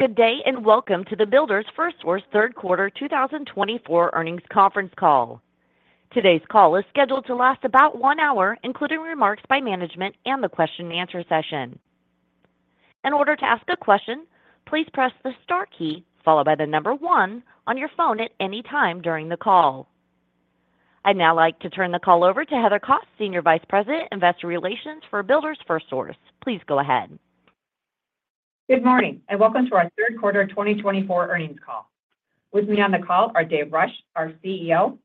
Good day and welcome to the Builders FirstSource third quarter 2024 earnings conference call. Today's call is scheduled to last about one hour, including remarks by management and the question-and-answer session. In order to ask a question, please press the star key followed by the number one on your phone at any time during the call. I'd now like to turn the call over to Heather Kos, Senior Vice President, Investor Relations for Builders FirstSource. Please go ahead. Good morning and welcome to our Third Quarter 2024 earnings call. With me on the call are Dave Rush, our CEO,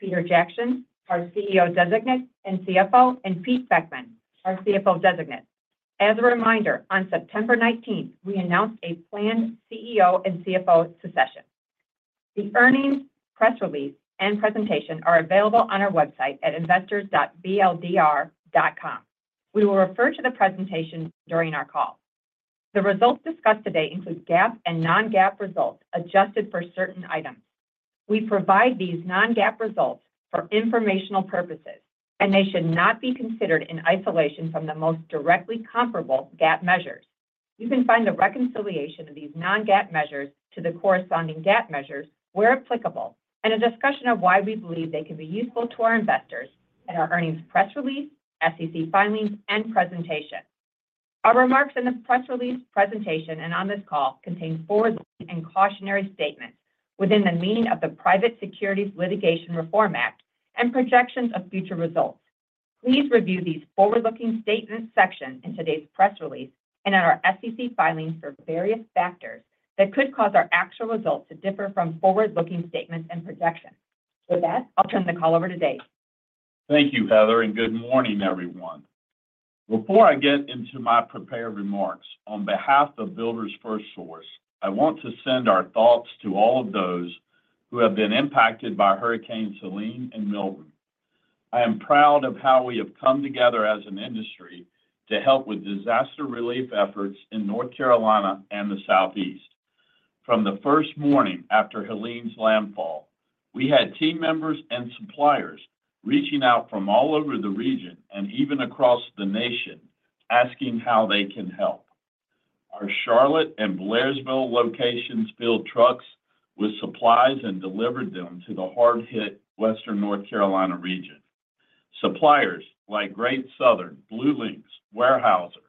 Peter Jackson, our CEO Designate and CFO, and Pete Beckman, our CFO Designate. As a reminder, on September 19th, we announced a planned CEO and CFO succession. The earnings press release and presentation are available on our website at investors.bldr.com. We will refer to the presentation during our call. The results discussed today include GAAP and non-GAAP results adjusted for certain items. We provide these non-GAAP results for informational purposes, and they should not be considered in isolation from the most directly comparable GAAP measures. You can find the reconciliation of these non-GAAP measures to the corresponding GAAP measures where applicable, and a discussion of why we believe they can be useful to our investors in our earnings press release, SEC filings, and presentation. Our remarks in the press release, presentation, and on this call contain forward-looking and cautionary statements within the meaning of the Private Securities Litigation Reform Act and projections of future results. Please review these forward-looking statements section in today's press release and in our SEC filings for various factors that could cause our actual results to differ from forward-looking statements and projections. With that, I'll turn the call over to Dave. Thank you, Heather, and good morning, everyone. Before I get into my prepared remarks, on behalf of Builders FirstSource, I want to send our thoughts to all of those who have been impacted by Hurricanes Helene and Milton. I am proud of how we have come together as an industry to help with disaster relief efforts in North Carolina and the Southeast. From the first morning after Helene's landfall, we had team members and suppliers reaching out from all over the region and even across the nation asking how they can help. Our Charlotte and Blairsville locations filled trucks with supplies and delivered them to the hard-hit western North Carolina region. Suppliers like Great Southern, BlueLinx, Weyerhaeuser,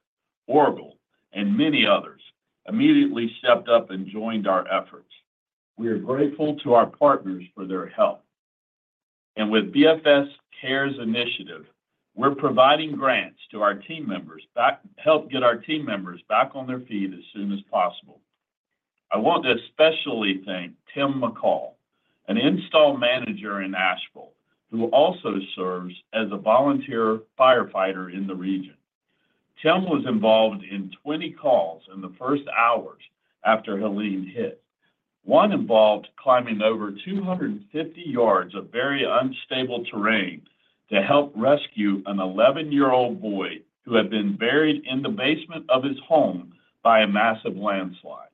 Oracle, and many others immediately stepped up and joined our efforts. We are grateful to our partners for their help. With BFS Cares Initiative, we're providing grants to help get our team members back on their feet as soon as possible. I want to especially thank Tim McCall, an install manager in Asheville, who also serves as a volunteer firefighter in the region. Tim was involved in 20 calls in the first hours after Helene hit. One involved climbing over 250 yards of very unstable terrain to help rescue an 11-year-old boy who had been buried in the basement of his home by a massive landslide.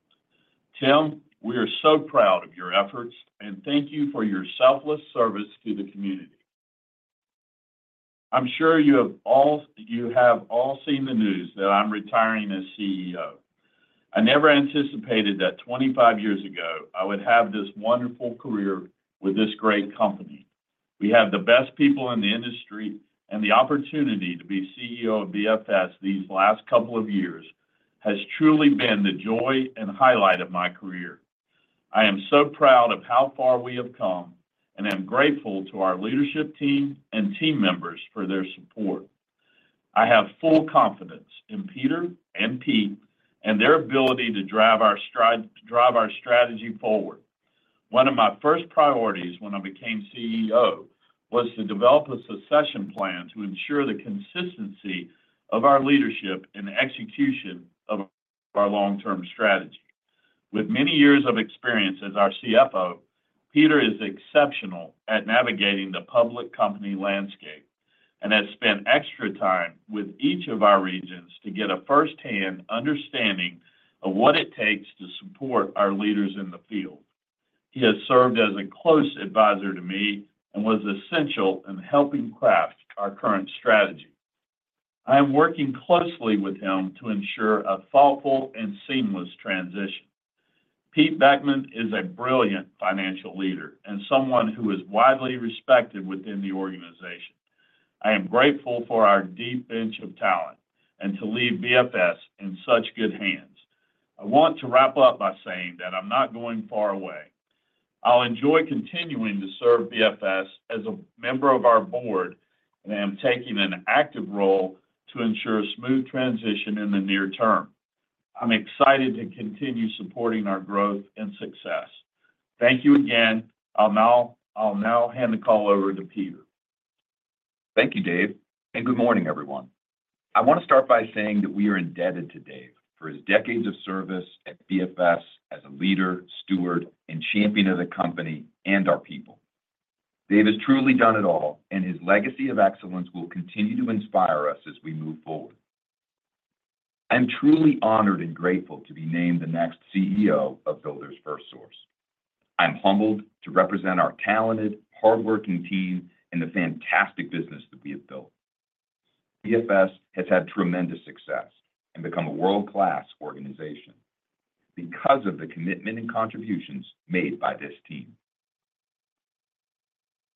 Tim, we are so proud of your efforts, and thank you for your selfless service to the community. I'm sure you have all seen the news that I'm retiring as CEO. I never anticipated that 25 years ago I would have this wonderful career with this great company. We have the best people in the industry, and the opportunity to be CEO of BFS these last couple of years has truly been the joy and highlight of my career. I am so proud of how far we have come and am grateful to our leadership team and team members for their support. I have full confidence in Peter and Pete and their ability to drive our strategy forward. One of my first priorities when I became CEO was to develop a succession plan to ensure the consistency of our leadership and execution of our long-term strategy. With many years of experience as our CFO, Peter is exceptional at navigating the public company landscape and has spent extra time with each of our regions to get a firsthand understanding of what it takes to support our leaders in the field. He has served as a close advisor to me and was essential in helping craft our current strategy. I am working closely with him to ensure a thoughtful and seamless transition. Pete Beckman is a brilliant financial leader and someone who is widely respected within the organization. I am grateful for our deep bench of talent and to leave BFS in such good hands. I want to wrap up by saying that I'm not going far away. I'll enjoy continuing to serve BFS as a member of our board, and I am taking an active role to ensure a smooth transition in the near term. I'm excited to continue supporting our growth and success. Thank you again. I'll now hand the call over to Peter. Thank you, Dave, and good morning, everyone. I want to start by saying that we are indebted to Dave for his decades of service at BFS as a leader, steward, and champion of the company and our people. Dave has truly done it all, and his legacy of excellence will continue to inspire us as we move forward. I'm truly honored and grateful to be named the next CEO of Builders FirstSource. I'm humbled to represent our talented, hardworking team and the fantastic business that we have built. BFS has had tremendous success and become a world-class organization because of the commitment and contributions made by this team.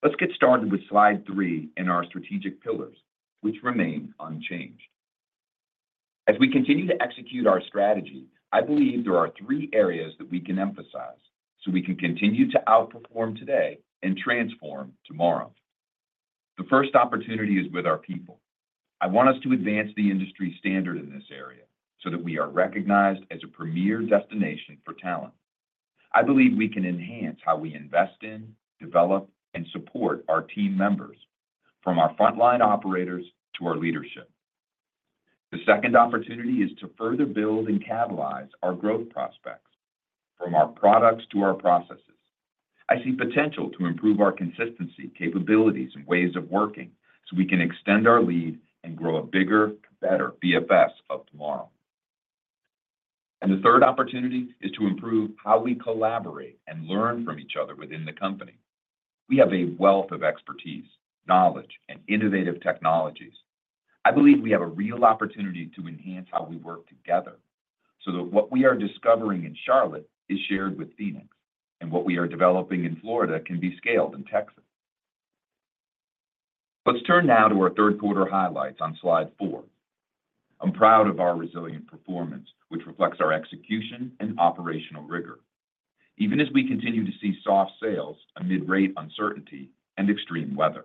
Let's get started with slide three in our strategic pillars, which remain unchanged. As we continue to execute our strategy, I believe there are three areas that we can emphasize so we can continue to outperform today and transform tomorrow. The first opportunity is with our people. I want us to advance the industry standard in this area so that we are recognized as a premier destination for talent. I believe we can enhance how we invest in, develop, and support our team members, from our frontline operators to our leadership. The second opportunity is to further build and catalyze our growth prospects from our products to our processes. I see potential to improve our consistency, capabilities, and ways of working so we can extend our lead and grow a bigger, better BFS of tomorrow. And the third opportunity is to improve how we collaborate and learn from each other within the company. We have a wealth of expertise, knowledge, and innovative technologies. I believe we have a real opportunity to enhance how we work together so that what we are discovering in Charlotte is shared with Phoenix, and what we are developing in Florida can be scaled in Texas. Let's turn now to our third quarter highlights on slide four. I'm proud of our resilient performance, which reflects our execution and operational rigor, even as we continue to see soft sales amid rate uncertainty and extreme weather.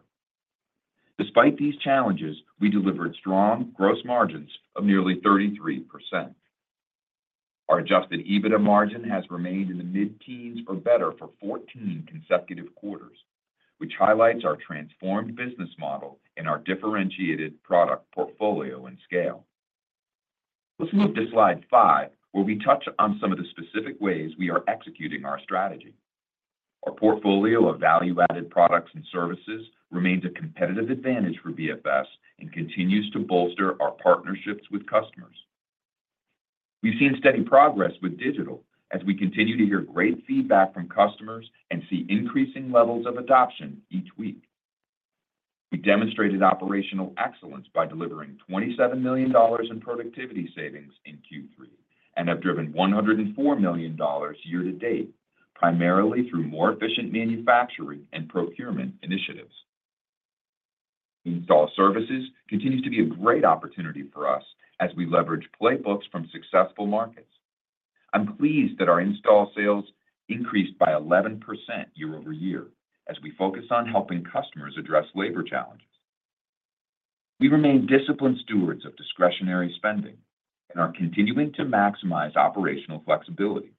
Despite these challenges, we delivered strong gross margins of nearly 33%. Our adjusted EBITDA margin has remained in the mid-teens or better for 14 consecutive quarters, which highlights our transformed business model and our differentiated product portfolio and scale. Let's move to slide five, where we touch on some of the specific ways we are executing our strategy. Our portfolio of value-added products and services remains a competitive advantage for BFS and continues to bolster our partnerships with customers. We've seen steady progress with digital as we continue to hear great feedback from customers and see increasing levels of adoption each week. We demonstrated operational excellence by delivering $27 million in productivity savings in Q3 and have driven $104 million year to date, primarily through more efficient manufacturing and procurement initiatives. Install services continues to be a great opportunity for us as we leverage playbooks from successful markets. I'm pleased that our install sales increased by 11% year-over-year as we focus on helping customers address labor challenges. We remain disciplined stewards of discretionary spending and are continuing to maximize operational flexibility.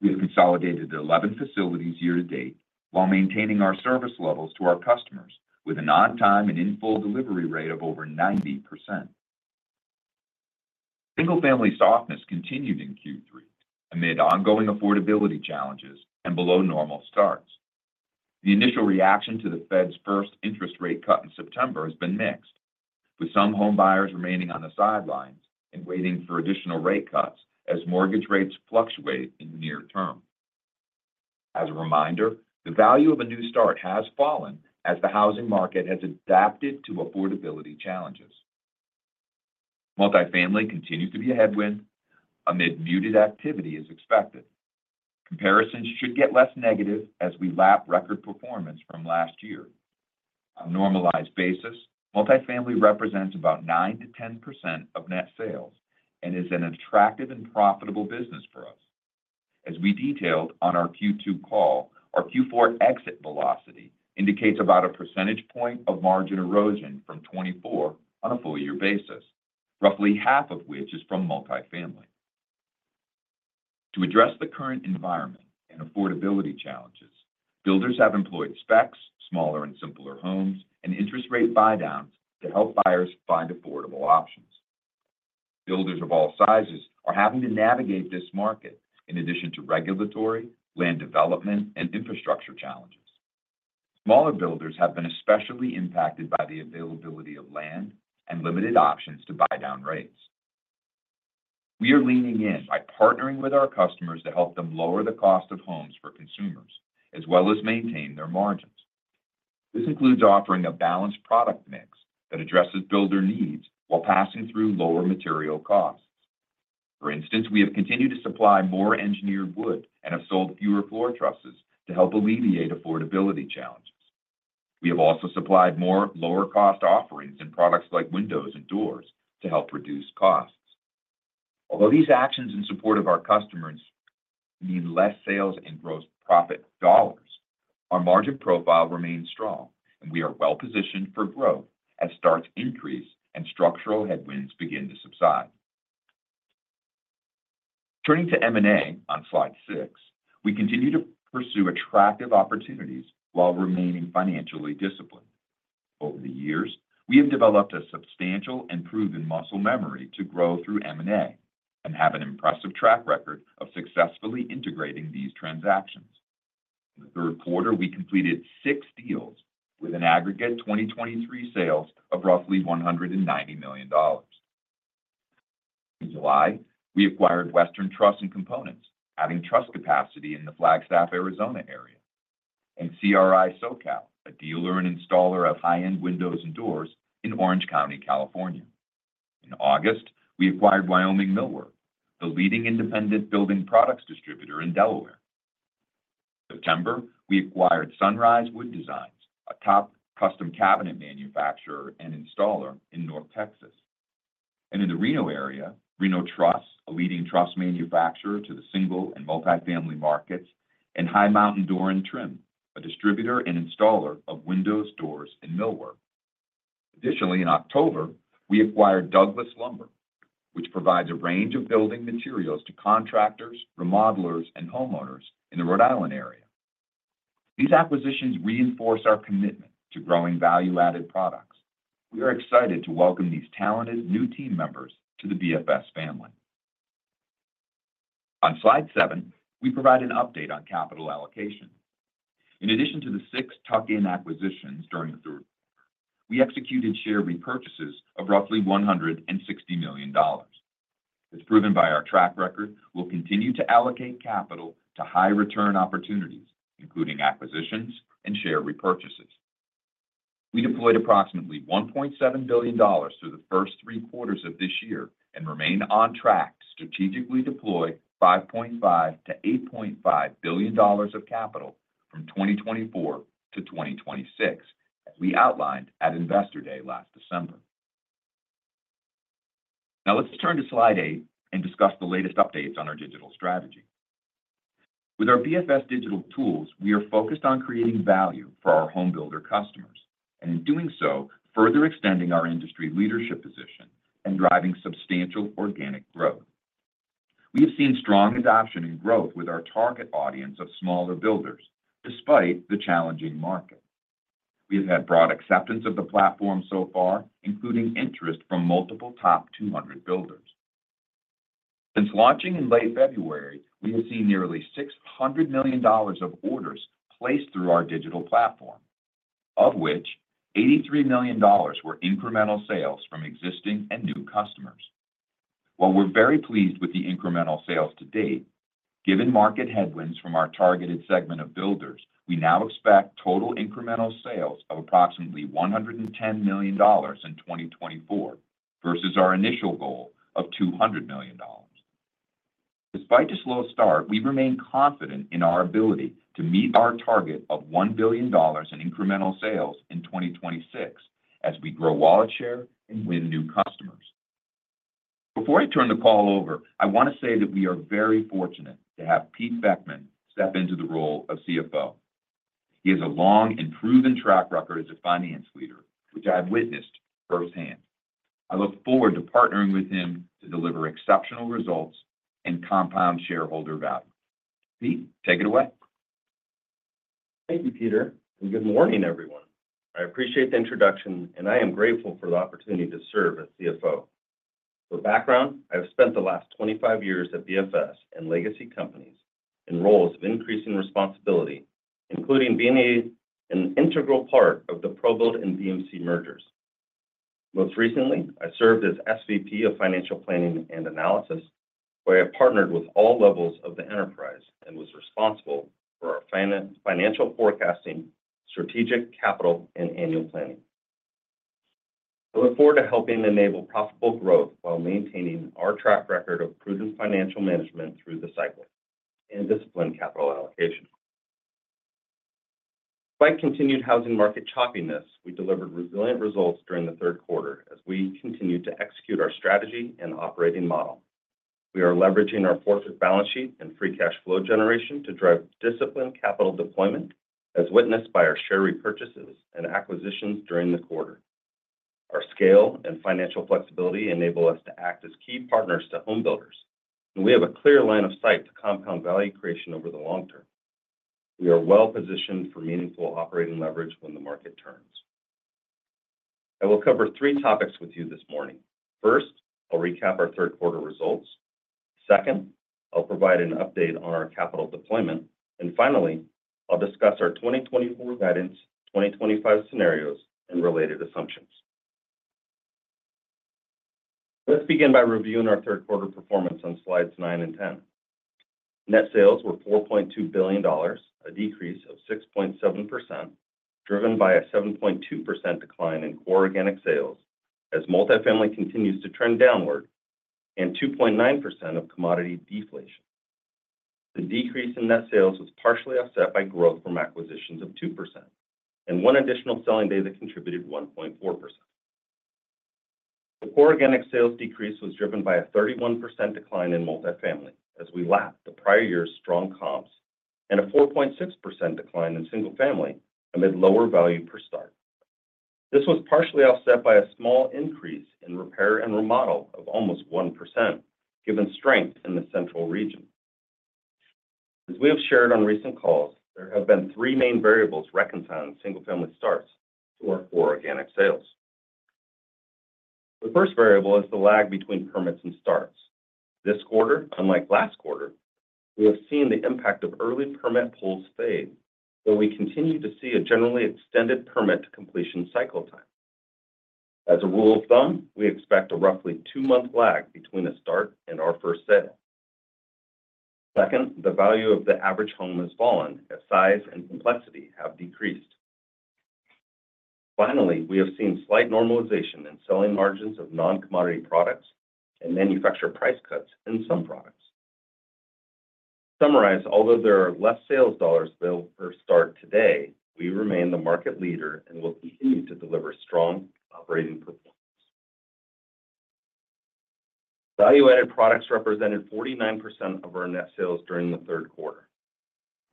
We have consolidated 11 facilities year to date while maintaining our service levels to our customers with an on-time and in-full delivery rate of over 90%. Single-family softness continued in Q3 amid ongoing affordability challenges and below normal starts. The initial reaction to the Fed's first interest rate cut in September has been mixed, with some home buyers remaining on the sidelines and waiting for additional rate cuts as mortgage rates fluctuate in the near term. As a reminder, the value of a new start has fallen as the housing market has adapted to affordability challenges. Multifamily continues to be a headwind amid muted activity as expected. Comparisons should get less negative as we lap record performance from last year. On a normalized basis, multifamily represents about 9%-10% of net sales and is an attractive and profitable business for us. As we detailed on our Q2 call, our Q4 exit velocity indicates about a percentage point of margin erosion from 24% on a full-year basis, roughly half of which is from multifamily. To address the current environment and affordability challenges, builders have employed specs, smaller and simpler homes, and interest rate buy-downs to help buyers find affordable options. Builders of all sizes are having to navigate this market in addition to regulatory, land development, and infrastructure challenges. Smaller builders have been especially impacted by the availability of land and limited options to buy-down rates. We are leaning in by partnering with our customers to help them lower the cost of homes for consumers as well as maintain their margins. This includes offering a balanced product mix that addresses builder needs while passing through lower material costs. For instance, we have continued to supply more engineered wood and have sold fewer floor trusses to help alleviate affordability challenges. We have also supplied more lower-cost offerings in products like windows and doors to help reduce costs. Although these actions in support of our customers mean less sales and gross profit dollars, our margin profile remains strong, and we are well-positioned for growth as starts increase and structural headwinds begin to subside. Turning to M&A on slide six, we continue to pursue attractive opportunities while remaining financially disciplined. Over the years, we have developed a substantial and proven muscle memory to grow through M&A and have an impressive track record of successfully integrating these transactions. In the third quarter, we completed six deals with an aggregate 2023 sales of roughly $190 million. In July, we acquired Western Truss & Components, adding truss capacity in the Flagstaff, Arizona area, and CRI SoCal, a dealer and installer of high-end windows and doors in Orange County, California. In August, we acquired Wyoming Millwork, the leading independent building products distributor in Delaware. In September, we acquired Sunrise Wood Designs, a top custom cabinet manufacturer and installer in North Texas, and in the Reno area, Reno Truss, a leading truss manufacturer to the single and multifamily markets, and High Mountain Door & Trim, a distributor and installer of windows, doors, and millwork. Additionally, in October, we acquired Douglas Lumber, which provides a range of building materials to contractors, remodelers, and homeowners in the Rhode Island area. These acquisitions reinforce our commitment to growing value-added products. We are excited to welcome these talented new team members to the BFS family. On slide seven, we provide an update on capital allocation. In addition to the six tuck-in acquisitions during the third quarter, we executed share repurchases of roughly $160 million. As proven by our track record, we'll continue to allocate capital to high-return opportunities, including acquisitions and share repurchases. We deployed approximately $1.7 billion through the first three quarters of this year and remain on track to strategically deploy $5.5 to $8.5 billion of capital from 2024 to 2026, as we outlined at Investor Day last December. Now let's turn to slide eight and discuss the latest updates on our digital strategy. With our BFS digital tools, we are focused on creating value for our homebuilder customers and, in doing so, further extending our industry leadership position and driving substantial organic growth. We have seen strong adoption and growth with our target audience of smaller builders despite the challenging market. We have had broad acceptance of the platform so far, including interest from multiple top 200 builders. Since launching in late February, we have seen nearly $600 million of orders placed through our digital platform, of which $83 million were incremental sales from existing and new customers. While we're very pleased with the incremental sales to date, given market headwinds from our targeted segment of builders, we now expect total incremental sales of approximately $110 million in 2024 versus our initial goal of $200 million. Despite a slow start, we remain confident in our ability to meet our target of $1 billion in incremental sales in 2026 as we grow wallet share and win new customers. Before I turn the call over, I want to say that we are very fortunate to have Pete Beckman step into the role of CFO. He has a long and proven track record as a finance leader, which I've witnessed firsthand. I look forward to partnering with him to deliver exceptional results and compound shareholder value. Pete, take it away. Thank you, Peter, and good morning, everyone. I appreciate the introduction, and I am grateful for the opportunity to serve as CFO. For background, I have spent the last 25 years at BFS and legacy companies in roles of increasing responsibility, including being an integral part of the ProBuild and BMC mergers. Most recently, I served as SVP of Financial Planning and Analysis, where I partnered with all levels of the enterprise and was responsible for our financial forecasting, strategic capital, and annual planning. I look forward to helping enable profitable growth while maintaining our track record of prudent financial management through the cycle and disciplined capital allocation. Despite continued housing market choppiness, we delivered resilient results during the third quarter as we continued to execute our strategy and operating model. We are leveraging our fortress balance sheet and free cash flow generation to drive disciplined capital deployment, as witnessed by our share repurchases and acquisitions during the quarter. Our scale and financial flexibility enable us to act as key partners to homebuilders, and we have a clear line of sight to compound value creation over the long term. We are well-positioned for meaningful operating leverage when the market turns. I will cover three topics with you this morning. First, I'll recap our third quarter results. Second, I'll provide an update on our capital deployment. And finally, I'll discuss our 2024 guidance, 2025 scenarios, and related assumptions. Let's begin by reviewing our third quarter performance on slides nine and 10. Net sales were $4.2 billion, a decrease of 6.7%, driven by a 7.2% decline in core organic sales as multifamily continues to trend downward and 2.9% of commodity deflation. The decrease in net sales was partially offset by growth from acquisitions of 2% and one additional selling day that contributed 1.4%. The core organic sales decrease was driven by a 31% decline in multifamily as we lapped the prior year's strong comps and a 4.6% decline in single-family amid lower value per start. This was partially offset by a small increase in repair and remodel of almost 1%, given strength in the central region. As we have shared on recent calls, there have been three main variables reconciling single-family starts to our core organic sales. The first variable is the lag between permits and starts. This quarter, unlike last quarter, we have seen the impact of early permit pulls fade, though we continue to see a generally extended permit to completion cycle time. As a rule of thumb, we expect a roughly two-month lag between a start and our first sale. Second, the value of the average home has fallen as size and complexity have decreased. Finally, we have seen slight normalization in selling margins of non-commodity products and manufacturer price cuts in some products. To summarize, although there are less sales dollars available per start today, we remain the market leader and will continue to deliver strong operating performance. Value-added products represented 49% of our net sales during the third quarter.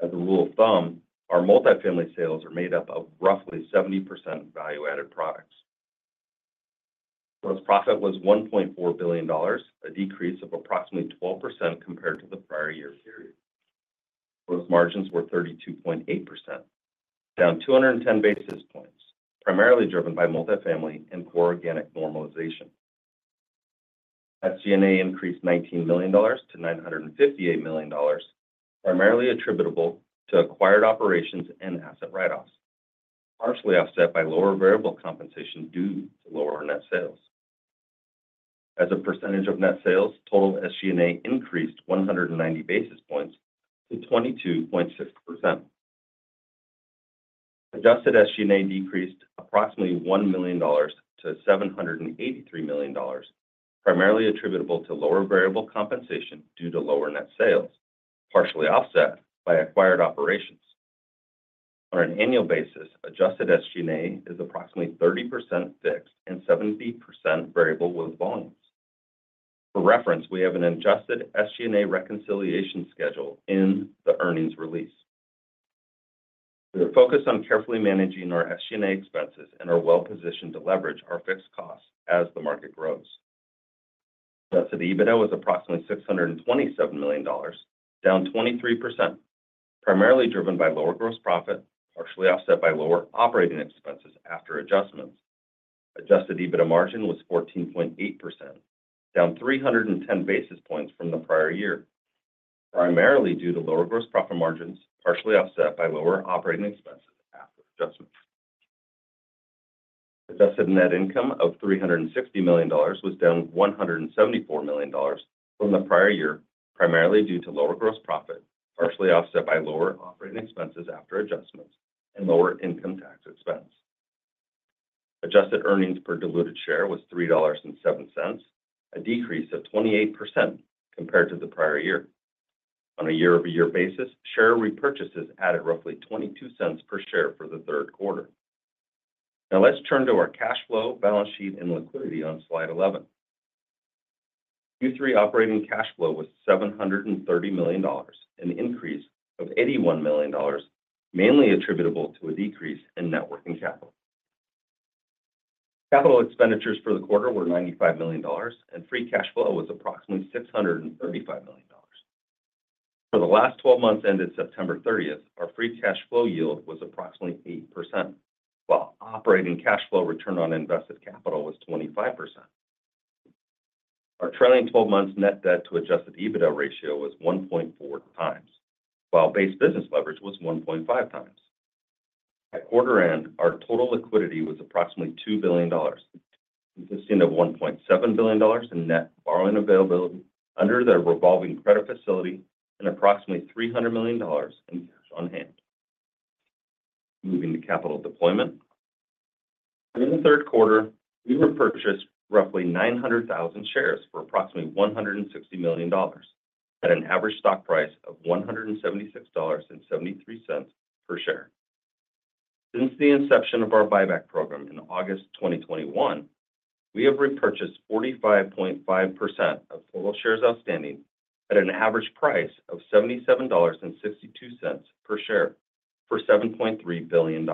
As a rule of thumb, our multifamily sales are made up of roughly 70% value-added products. Gross profit was $1.4 billion, a decrease of approximately 12% compared to the prior year period. Gross margins were 32.8%, down 210 basis points, primarily driven by multifamily and core organic normalization. SG&A increased $19 million to $958 million, primarily attributable to acquired operations and asset write-offs, partially offset by lower variable compensation due to lower net sales. As a percentage of net sales, total SG&A increased 190 basis points to 22.6%. Adjusted SG&A decreased approximately $1 million to $783 million, primarily attributable to lower variable compensation due to lower net sales, partially offset by acquired operations. On an annual basis, adjusted SG&A is approximately 30% fixed and 70% variable with volumes. For reference, we have an adjusted SG&A reconciliation schedule in the earnings release. We are focused on carefully managing our SG&A expenses and are well-positioned to leverage our fixed costs as the market grows. Adjusted EBITDA was approximately $627 million, down 23%, primarily driven by lower gross profit, partially offset by lower operating expenses after adjustments. Adjusted EBITDA margin was 14.8%, down 310 basis points from the prior year, primarily due to lower gross profit margins, partially offset by lower operating expenses after adjustments. Adjusted net income of $360 million was down $174 million from the prior year, primarily due to lower gross profit, partially offset by lower operating expenses after adjustments and lower income tax expense. Adjusted earnings per diluted share was $3.07, a decrease of 28% compared to the prior year. On a year-over-year basis, share repurchases added roughly $0.22 per share for the third quarter. Now let's turn to our cash flow, balance sheet, and liquidity on slide 11. Q3 operating cash flow was $730 million, an increase of $81 million, mainly attributable to a decrease in net working capital. Capital expenditures for the quarter were $95 million, and free cash flow was approximately $635 million. For the last 12 months ended September 30th, our free cash flow yield was approximately 8%, while operating cash flow return on invested capital was 25%. Our trailing 12 months net debt to Adjusted EBITDA ratio was 1.4 times, while base business leverage was 1.5 times. At quarter end, our total liquidity was approximately $2 billion, consisting of $1.7 billion in net borrowing availability under the revolving credit facility and approximately $300 million in cash on hand. Moving to capital deployment. In the third quarter, we repurchased roughly 900,000 shares for approximately $160 million at an average stock price of $176.73 per share. Since the inception of our buyback program in August 2021, we have repurchased 45.5% of total shares outstanding at an average price of $77.62 per share for $7.3 billion.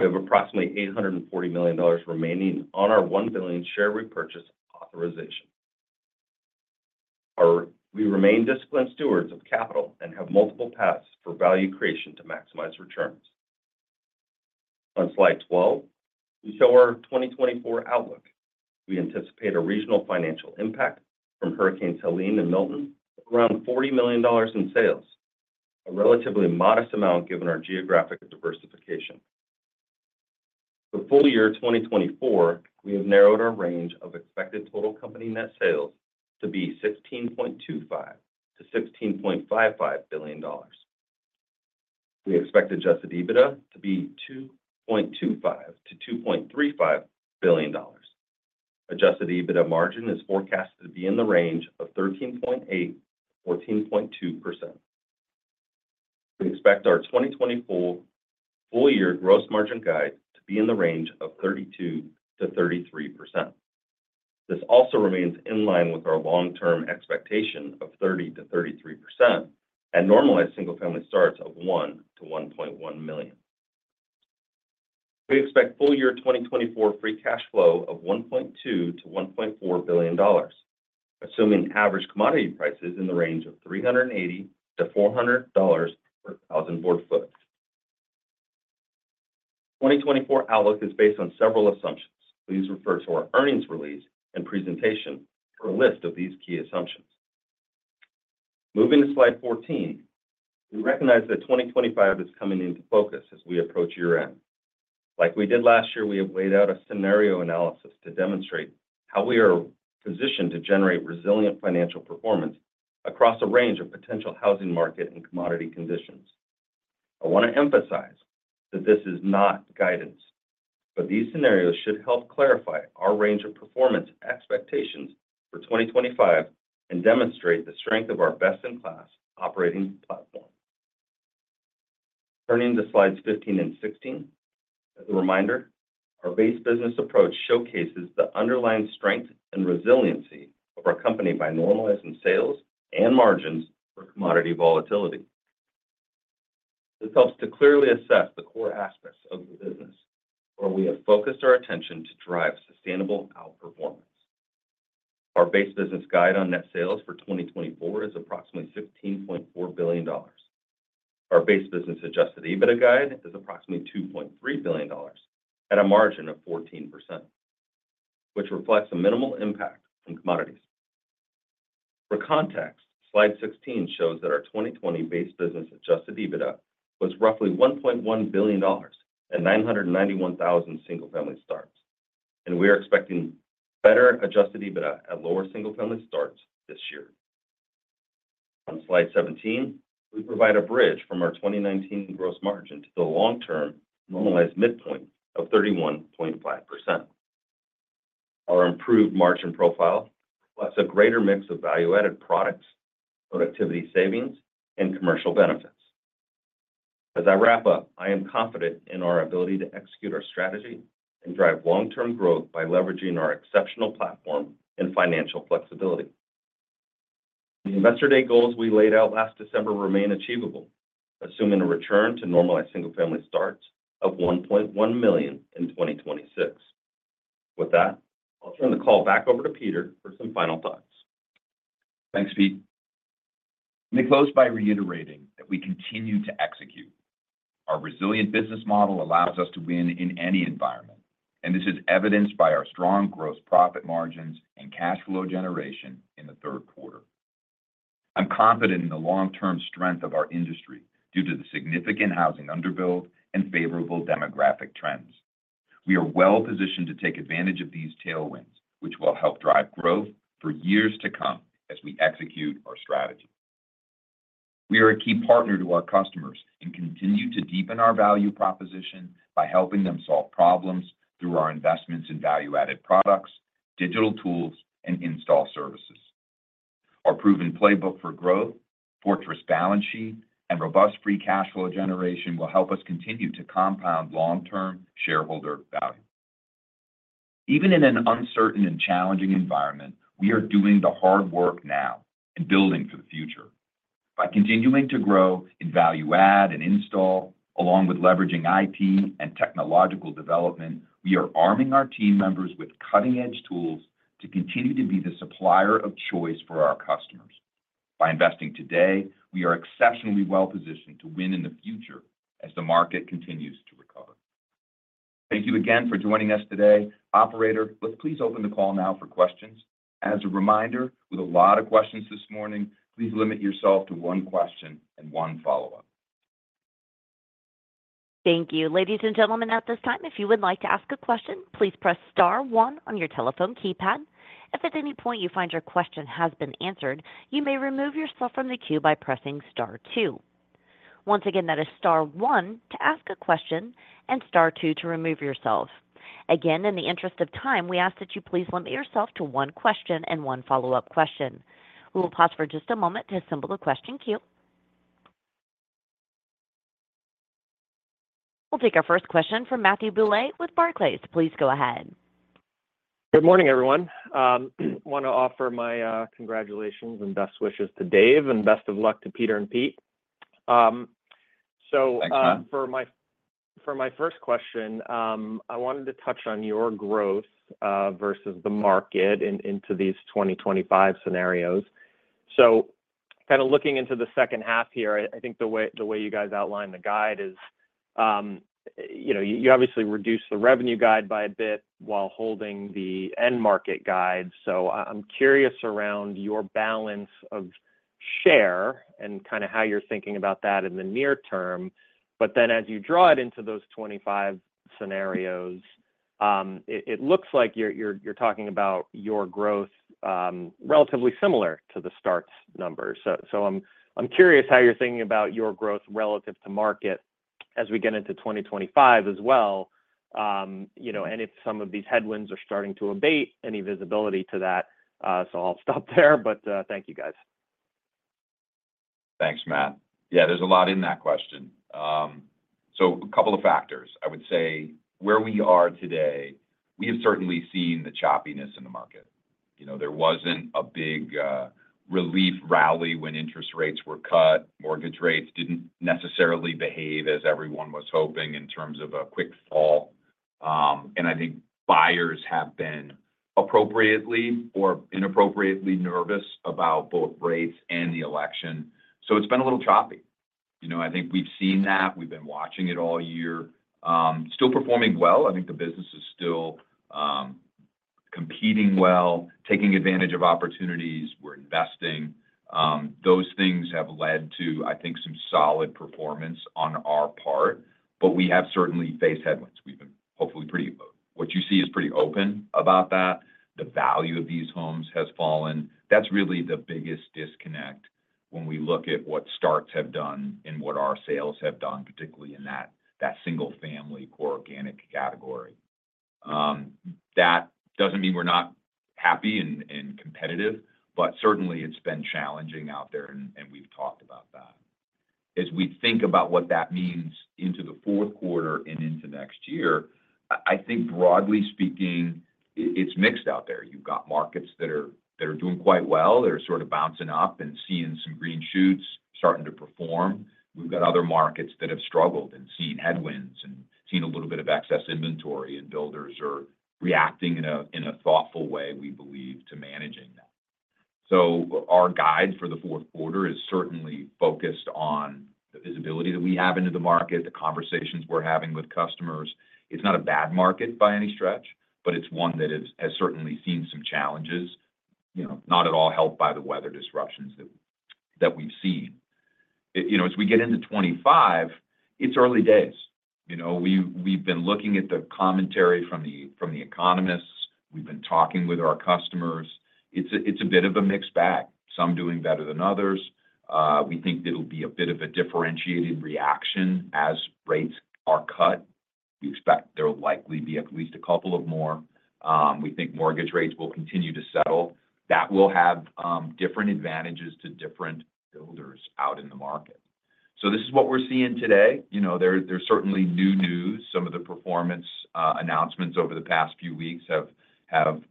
We have approximately $840 million remaining on our $1 billion share repurchase authorization. We remain disciplined stewards of capital and have multiple paths for value creation to maximize returns. On slide 12, we show our 2024 outlook. We anticipate a regional financial impact from Hurricanes Helene and Milton of around $40 million in sales, a relatively modest amount given our geographic diversification. For full year 2024, we have narrowed our range of expected total company net sales to be $16.25-$16.55 billion. We expect adjusted EBITDA to be $2.25-$2.35 billion. Adjusted EBITDA margin is forecast to be in the range of 13.8%-14.2%. We expect our 2024 full year gross margin guide to be in the range of 32%-33%. This also remains in line with our long-term expectation of 30%-33% and normalized single-family starts of $1-$1.1 million. We expect full year 2024 free cash flow of $1.2-$1.4 billion, assuming average commodity prices in the range of $380-$400 per thousand board foot. 2024 outlook is based on several assumptions. Please refer to our earnings release and presentation for a list of these key assumptions. Moving to slide 14, we recognize that 2025 is coming into focus as we approach year-end. Like we did last year, we have laid out a scenario analysis to demonstrate how we are positioned to generate resilient financial performance across a range of potential housing market and commodity conditions. I want to emphasize that this is not guidance, but these scenarios should help clarify our range of performance expectations for 2025 and demonstrate the strength of our best-in-class operating platform. Turning to slides 15 and 16, as a reminder, our base business approach showcases the underlying strength and resiliency of our company by normalizing sales and margins for commodity volatility. This helps to clearly assess the core aspects of the business where we have focused our attention to drive sustainable outperformance. Our base business guide on net sales for 2024 is approximately $15.4 billion. Our base business adjusted EBITDA guide is approximately $2.3 billion at a margin of 14%, which reflects a minimal impact from commodities. For context, slide 16 shows that our 2020 base business adjusted EBITDA was roughly $1.1 billion at 991,000 single family starts, and we are expecting better adjusted EBITDA at lower single family starts this year. On slide 17, we provide a bridge from our 2019 gross margin to the long-term normalized midpoint of 31.5%. Our improved margin profile reflects a greater mix of value-added products, productivity savings, and commercial benefits. As I wrap up, I am confident in our ability to execute our strategy and drive long-term growth by leveraging our exceptional platform and financial flexibility. The investor day goals we laid out last December remain achievable, assuming a return to normalized single family starts of $1.1 million in 2026. With that, I'll turn the call back over to Peter for some final thoughts. Thanks, Pete. Let me close by reiterating that we continue to execute. Our resilient business model allows us to win in any environment, and this is evidenced by our strong gross profit margins and cash flow generation in the third quarter. I'm confident in the long-term strength of our industry due to the significant housing underbuild and favorable demographic trends. We are well-positioned to take advantage of these tailwinds, which will help drive growth for years to come as we execute our strategy. We are a key partner to our customers and continue to deepen our value proposition by helping them solve problems through our investments in value-added products, digital tools, and install services. Our proven playbook for growth, fortress balance sheet, and robust free cash flow generation will help us continue to compound long-term shareholder value. Even in an uncertain and challenging environment, we are doing the hard work now and building for the future. By continuing to grow in value-add and install, along with leveraging IT and technological development, we are arming our team members with cutting-edge tools to continue to be the supplier of choice for our customers. By investing today, we are exceptionally well-positioned to win in the future as the market continues to recover. Thank you again for joining us today. Operator, let's please open the call now for questions. As a reminder, with a lot of questions this morning, please limit yourself to one question and one follow-up. Thank you. Ladies and gentlemen, at this time, if you would like to ask a question, please press star one on your telephone keypad. If at any point you find your question has been answered, you may remove yourself from the queue by pressing star two. Once again, that is star one to ask a question and star two to remove yourself. Again, in the interest of time, we ask that you please limit yourself to one question and one follow-up question. We will pause for just a moment to assemble the question queue. We'll take our first question from Matthew Bouley with Barclays. Please go ahead. Good morning, everyone. I want to offer my congratulations and best wishes to Dave and best of luck to Peter and Pete. Thank you. So for my first question, I wanted to touch on your growth versus the market into these 2025 scenarios. So kind of looking into the second half here, I think the way you guys outline the guide is you obviously reduced the revenue guide by a bit while holding the end market guide. So I'm curious around your balance of share and kind of how you're thinking about that in the near term. But then as you draw it into those 25 scenarios, it looks like you're talking about your growth relatively similar to the starts numbers. So I'm curious how you're thinking about your growth relative to market as we get into 2025 as well. And if some of these headwinds are starting to abate, any visibility to that? So I'll stop there, but thank you, guys. Thanks, Matt. Yeah, there's a lot in that question, so a couple of factors. I would say where we are today, we have certainly seen the choppiness in the market. There wasn't a big relief rally when interest rates were cut. Mortgage rates didn't necessarily behave as everyone was hoping in terms of a quick fall. I think buyers have been appropriately or inappropriately nervous about both rates and the election. It's been a little choppy. I think we've seen that. We've been watching it all year. Still performing well. I think the business is still competing well, taking advantage of opportunities. We're investing. Those things have led to, I think, some solid performance on our part, but we have certainly faced headwinds. We've been hopefully pretty open. What you see is pretty open about that. The value of these homes has fallen. That's really the biggest disconnect when we look at what starts have done and what our sales have done, particularly in that single-family core organic category. That doesn't mean we're not happy and competitive, but certainly it's been challenging out there, and we've talked about that. As we think about what that means into the fourth quarter and into next year, I think broadly speaking, it's mixed out there. You've got markets that are doing quite well. They're sort of bouncing up and seeing some green shoots, starting to perform. We've got other markets that have struggled and seen headwinds and seen a little bit of excess inventory, and builders are reacting in a thoughtful way, we believe, to managing that. Our guide for the fourth quarter is certainly focused on the visibility that we have into the market, the conversations we're having with customers. It's not a bad market by any stretch, but it's one that has certainly seen some challenges, not at all helped by the weather disruptions that we've seen. As we get into 2025, it's early days. We've been looking at the commentary from the economists. We've been talking with our customers. It's a bit of a mixed bag. Some doing better than others. We think it'll be a bit of a differentiated reaction as rates are cut. We expect there'll likely be at least a couple of more. We think mortgage rates will continue to settle. That will have different advantages to different builders out in the market. So this is what we're seeing today. There's certainly new news. Some of the performance announcements over the past few weeks have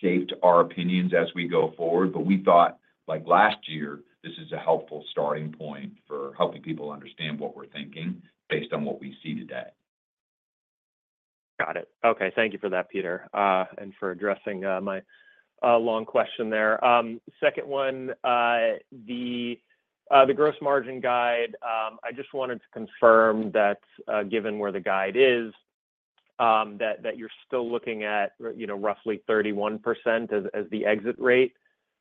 shaped our opinions as we go forward, but we thought, like last year, this is a helpful starting point for helping people understand what we're thinking based on what we see today. Got it. Okay. Thank you for that, Peter, and for addressing my long question there. Second one, the gross margin guide. I just wanted to confirm that given where the guide is, that you're still looking at roughly 31% as the exit rate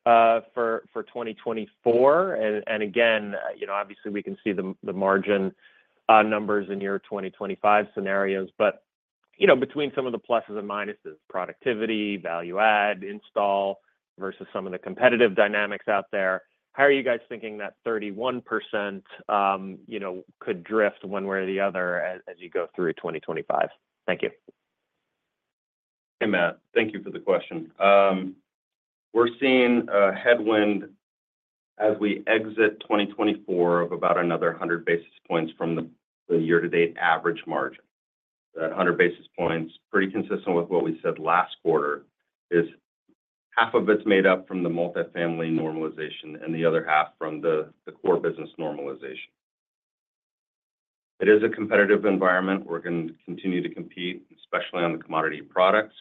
for 2024. And again, obviously, we can see the margin numbers in your 2025 scenarios, but between some of the pluses and minuses, productivity, value-add, install versus some of the competitive dynamics out there, how are you guys thinking that 31% could drift one way or the other as you go through 2025?Thank you. Hey, Matt. Thank you for the question. We're seeing a headwind as we exit 2024 of about another 100 basis points from the year-to-date average margin. That 100 basis points, pretty consistent with what we said last quarter, is half of it's made up from the multifamily normalization and the other half from the core business normalization. It is a competitive environment. We're going to continue to compete, especially on the commodity products.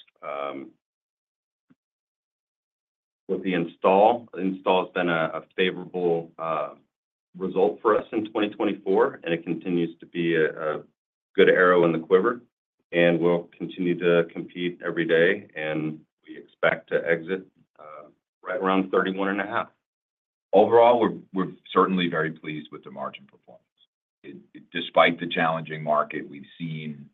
With the install, install has been a favorable result for us in 2024, and it continues to be a good arrow in the quiver. And we'll continue to compete every day, and we expect to exit right around 31.5%. Overall, we're certainly very pleased with the margin performance. Despite the challenging market, we've seen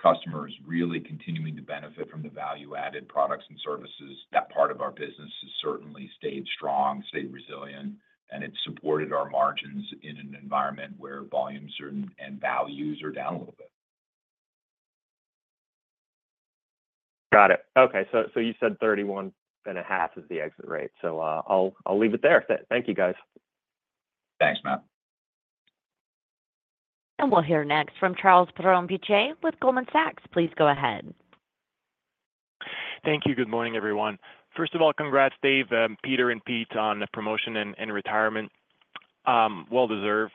customers really continuing to benefit from the value-added products and services. That part of our business has certainly stayed strong, stayed resilient, and it's supported our margins in an environment where volumes and values are down a little bit. Got it. Okay. So you said 31 and a half is the exit rate. So I'll leave it there. Thank you, guys. Thanks, Matt. And we'll hear next from Charles Perron-Piche with Goldman Sachs. Please go ahead. Thank you. Good morning, everyone. First of all, congrats, Dave, Peter, and Pete on the promotion and retirement. Well-deserved.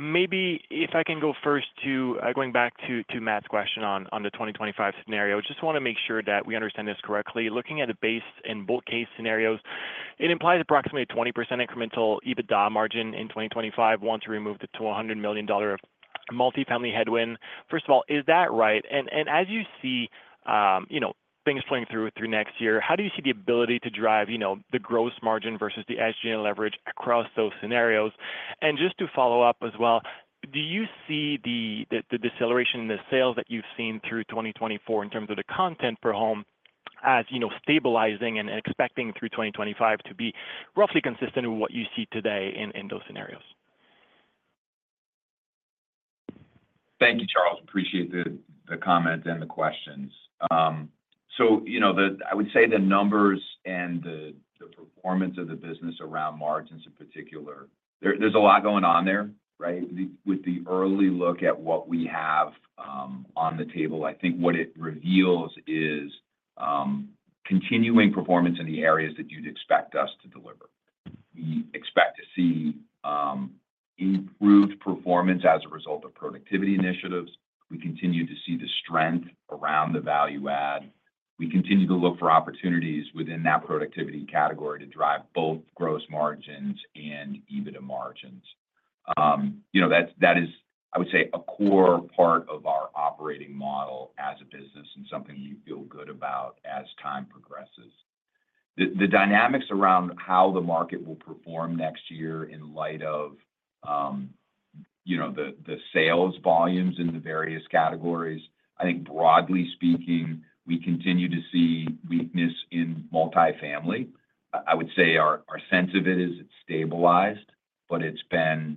Maybe if I can go first to going back to Matt's question on the 2025 scenario, I just want to make sure that we understand this correctly. Looking at a base in both case scenarios, it implies approximately a 20% incremental EBITDA margin in 2025 once we remove the $200 million multifamily headwind. First of all, is that right? As you see things playing through next year, how do you see the ability to drive the gross margin versus the SG&A leverage across those scenarios? And just to follow up as well, do you see the deceleration in the sales that you've seen through 2024 in terms of the content per home as stabilizing and expecting through 2025 to be roughly consistent with what you see today in those scenarios? Thank you, Charles. Appreciate the comments and the questions. So I would say the numbers and the performance of the business around margins in particular, there's a lot going on there, right? With the early look at what we have on the table, I think what it reveals is continuing performance in the areas that you'd expect us to deliver. We expect to see improved performance as a result of productivity initiatives. We continue to see the strength around the value-add. We continue to look for opportunities within that productivity category to drive both gross margins and EBITDA margins. That is, I would say, a core part of our operating model as a business and something we feel good about as time progresses. The dynamics around how the market will perform next year in light of the sales volumes in the various categories, I think broadly speaking, we continue to see weakness in multifamily. I would say our sense of it is it's stabilized, but it's been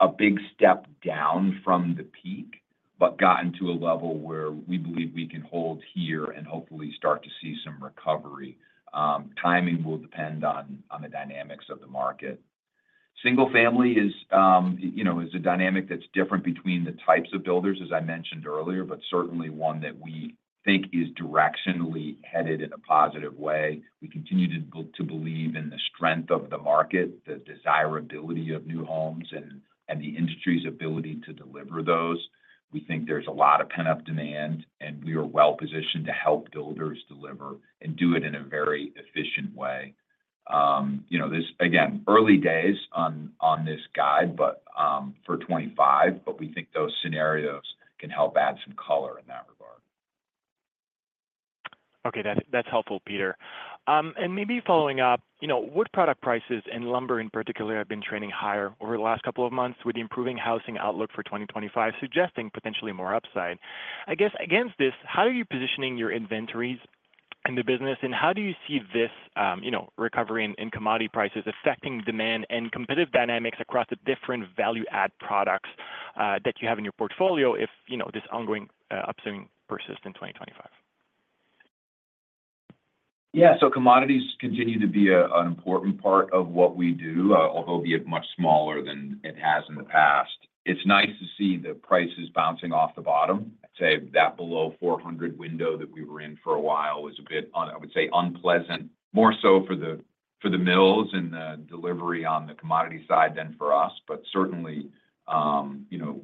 a big step down from the peak, but gotten to a level where we believe we can hold here and hopefully start to see some recovery. Timing will depend on the dynamics of the market. Single-family is a dynamic that's different between the types of builders, as I mentioned earlier, but certainly one that we think is directionally headed in a positive way. We continue to believe in the strength of the market, the desirability of new homes, and the industry's ability to deliver those. We think there's a lot of pent-up demand, and we are well-positioned to help builders deliver and do it in a very efficient way. Again, early days on this guide, but for 2025, but we think those scenarios can help add some color in that regard. Okay. That's helpful, Peter. And maybe following up, wood product prices and lumber in particular have been trending higher over the last couple of months with the improving housing outlook for 2025, suggesting potentially more upside. I guess against this, how are you positioning your inventories in the business, and how do you see this recovery in commodity prices affecting demand and competitive dynamics across the different value-add products that you have in your portfolio if this ongoing upswing persists in 2025? Yeah. So commodities continue to be an important part of what we do, although it'll be much smaller than it has in the past. It's nice to see the prices bouncing off the bottom. I'd say that below 400 window that we were in for a while was a bit, I would say, unpleasant, more so for the mills and the delivery on the commodity side than for us. But certainly,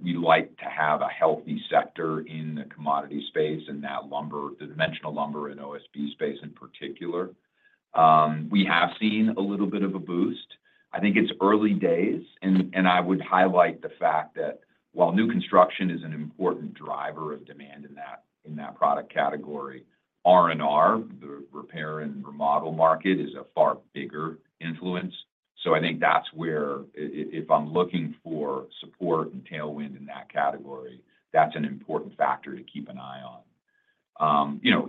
we like to have a healthy sector in the commodity space and that lumber, the dimensional lumber and OSB space in particular. We have seen a little bit of a boost. I think it's early days, and I would highlight the fact that while new construction is an important driver of demand in that product category, R&R, the repair and remodel market, is a far bigger influence. So I think that's where if I'm looking for support and tailwind in that category, that's an important factor to keep an eye on. You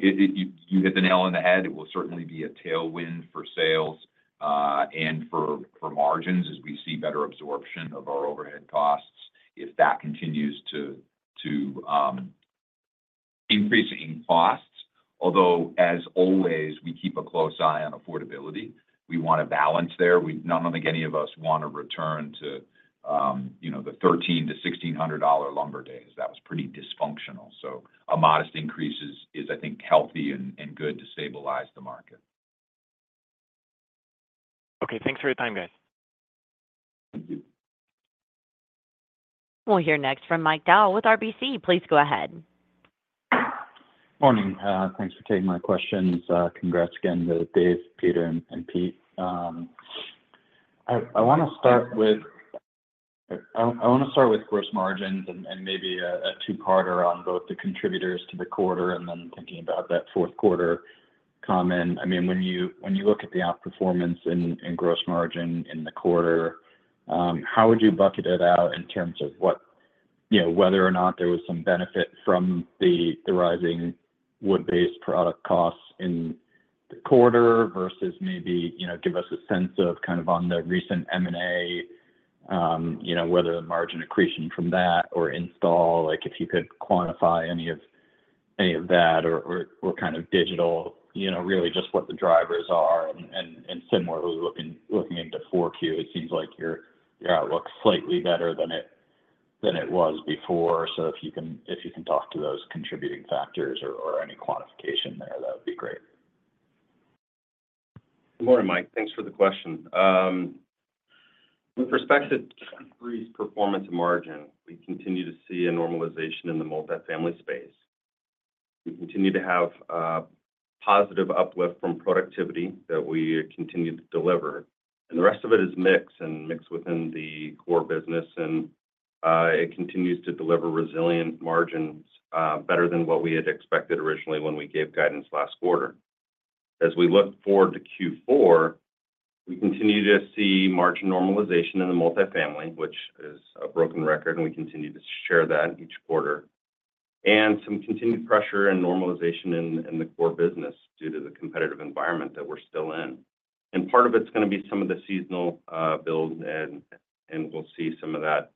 hit the nail on the head. It will certainly be a tailwind for sales and for margins as we see better absorption of our overhead costs if that continues to increase in costs. Although, as always, we keep a close eye on affordability. We want a balance there. Not only do any of us want to return to the $13-$1,600-dollar lumber days. That was pretty dysfunctional. So a modest increase is, I think, healthy and good to stabilize the market. Okay. Thanks for your time, guys. Thank you. We'll hear next from Mike Dahl with RBC. Please go ahead. Morning. Thanks for taking my questions. Congrats again to Dave, Peter, and Pete. I want to start with gross margins and maybe a two-parter on both the contributors to the quarter and then thinking about that fourth quarter comment. I mean, when you look at the outperformance in gross margin in the quarter, how would you bucket it out in terms of whether or not there was some benefit from the rising wood-based product costs in the quarter versus maybe give us a sense of kind of on the recent M&A, whether the margin accretion from that or install, if you could quantify any of that or kind of digital, really just what the drivers are. And similarly, looking into Q4, it seems like your outlook is slightly better than it was before. So if you can talk to those contributing factors or any quantification there, that would be great. Morning, Mike. Thanks for the question. With respect to Q3's performance and margin, we continue to see a normalization in the multifamily space. We continue to have positive uplift from productivity that we continue to deliver. And the rest of it is mixed and mixed within the core business, and it continues to deliver resilient margins better than what we had expected originally when we gave guidance last quarter. As we look forward to Q4, we continue to see margin normalization in the multifamily, which is a broken record, and we continue to share that each quarter. And some continued pressure and normalization in the core business due to the competitive environment that we're still in. Part of it's going to be some of the seasonal builds, and we'll see some of that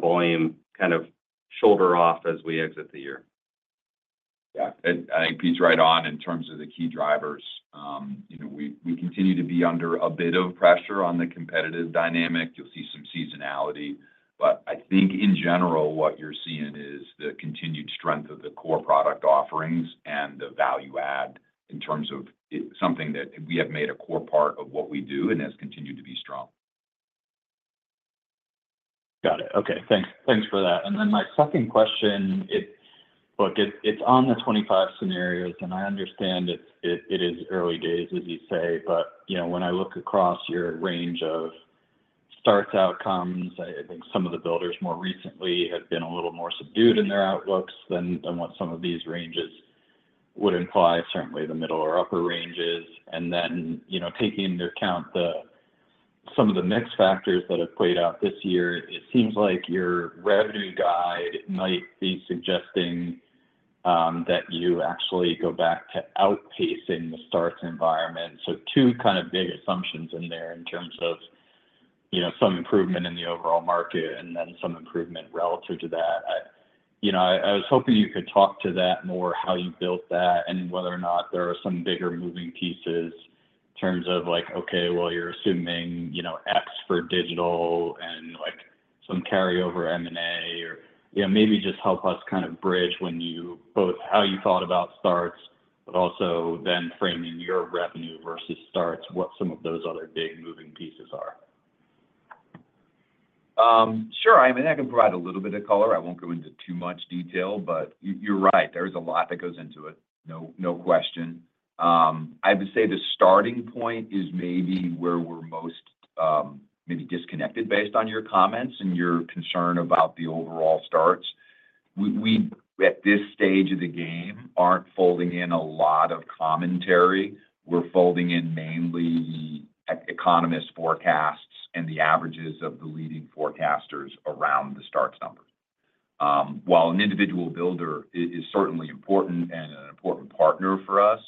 volume kind of shoulder off as we exit the year. Yeah. I think Pete's right on in terms of the key drivers. We continue to be under a bit of pressure on the competitive dynamic. You'll see some seasonality, but I think, in general, what you're seeing is the continued strength of the core product offerings and the value-add in terms of something that we have made a core part of what we do and has continued to be strong. Got it. Okay. Thanks for that. And then my second question, look, it's on the 25 scenarios, and I understand it is early days, as you say, but when I look across your range of starts outcomes, I think some of the builders more recently have been a little more subdued in their outlooks than what some of these ranges would imply, certainly the middle or upper ranges. And then taking into account some of the mixed factors that have played out this year, it seems like your revenue guide might be suggesting that you actually go back to outpacing the starts environment. So two kind of big assumptions in there in terms of some improvement in the overall market and then some improvement relative to that. I was hoping you could talk to that more, how you built that, and whether or not there are some bigger moving pieces in terms of like, "Okay, well, you're assuming X for digital and some carryover M&A," or maybe just help us kind of bridge when you both how you thought about starts, but also then framing your revenue versus starts, what some of those other big moving pieces are. Sure. I mean, I can provide a little bit of color. I won't go into too much detail, but you're right. There's a lot that goes into it. No question. I would say the starting point is maybe where we're most maybe disconnected based on your comments and your concern about the overall starts. We, at this stage of the game, aren't folding in a lot of commentary. We're folding in mainly economist forecasts and the averages of the leading forecasters around the starts numbers. While an individual builder is certainly important and an important partner for us,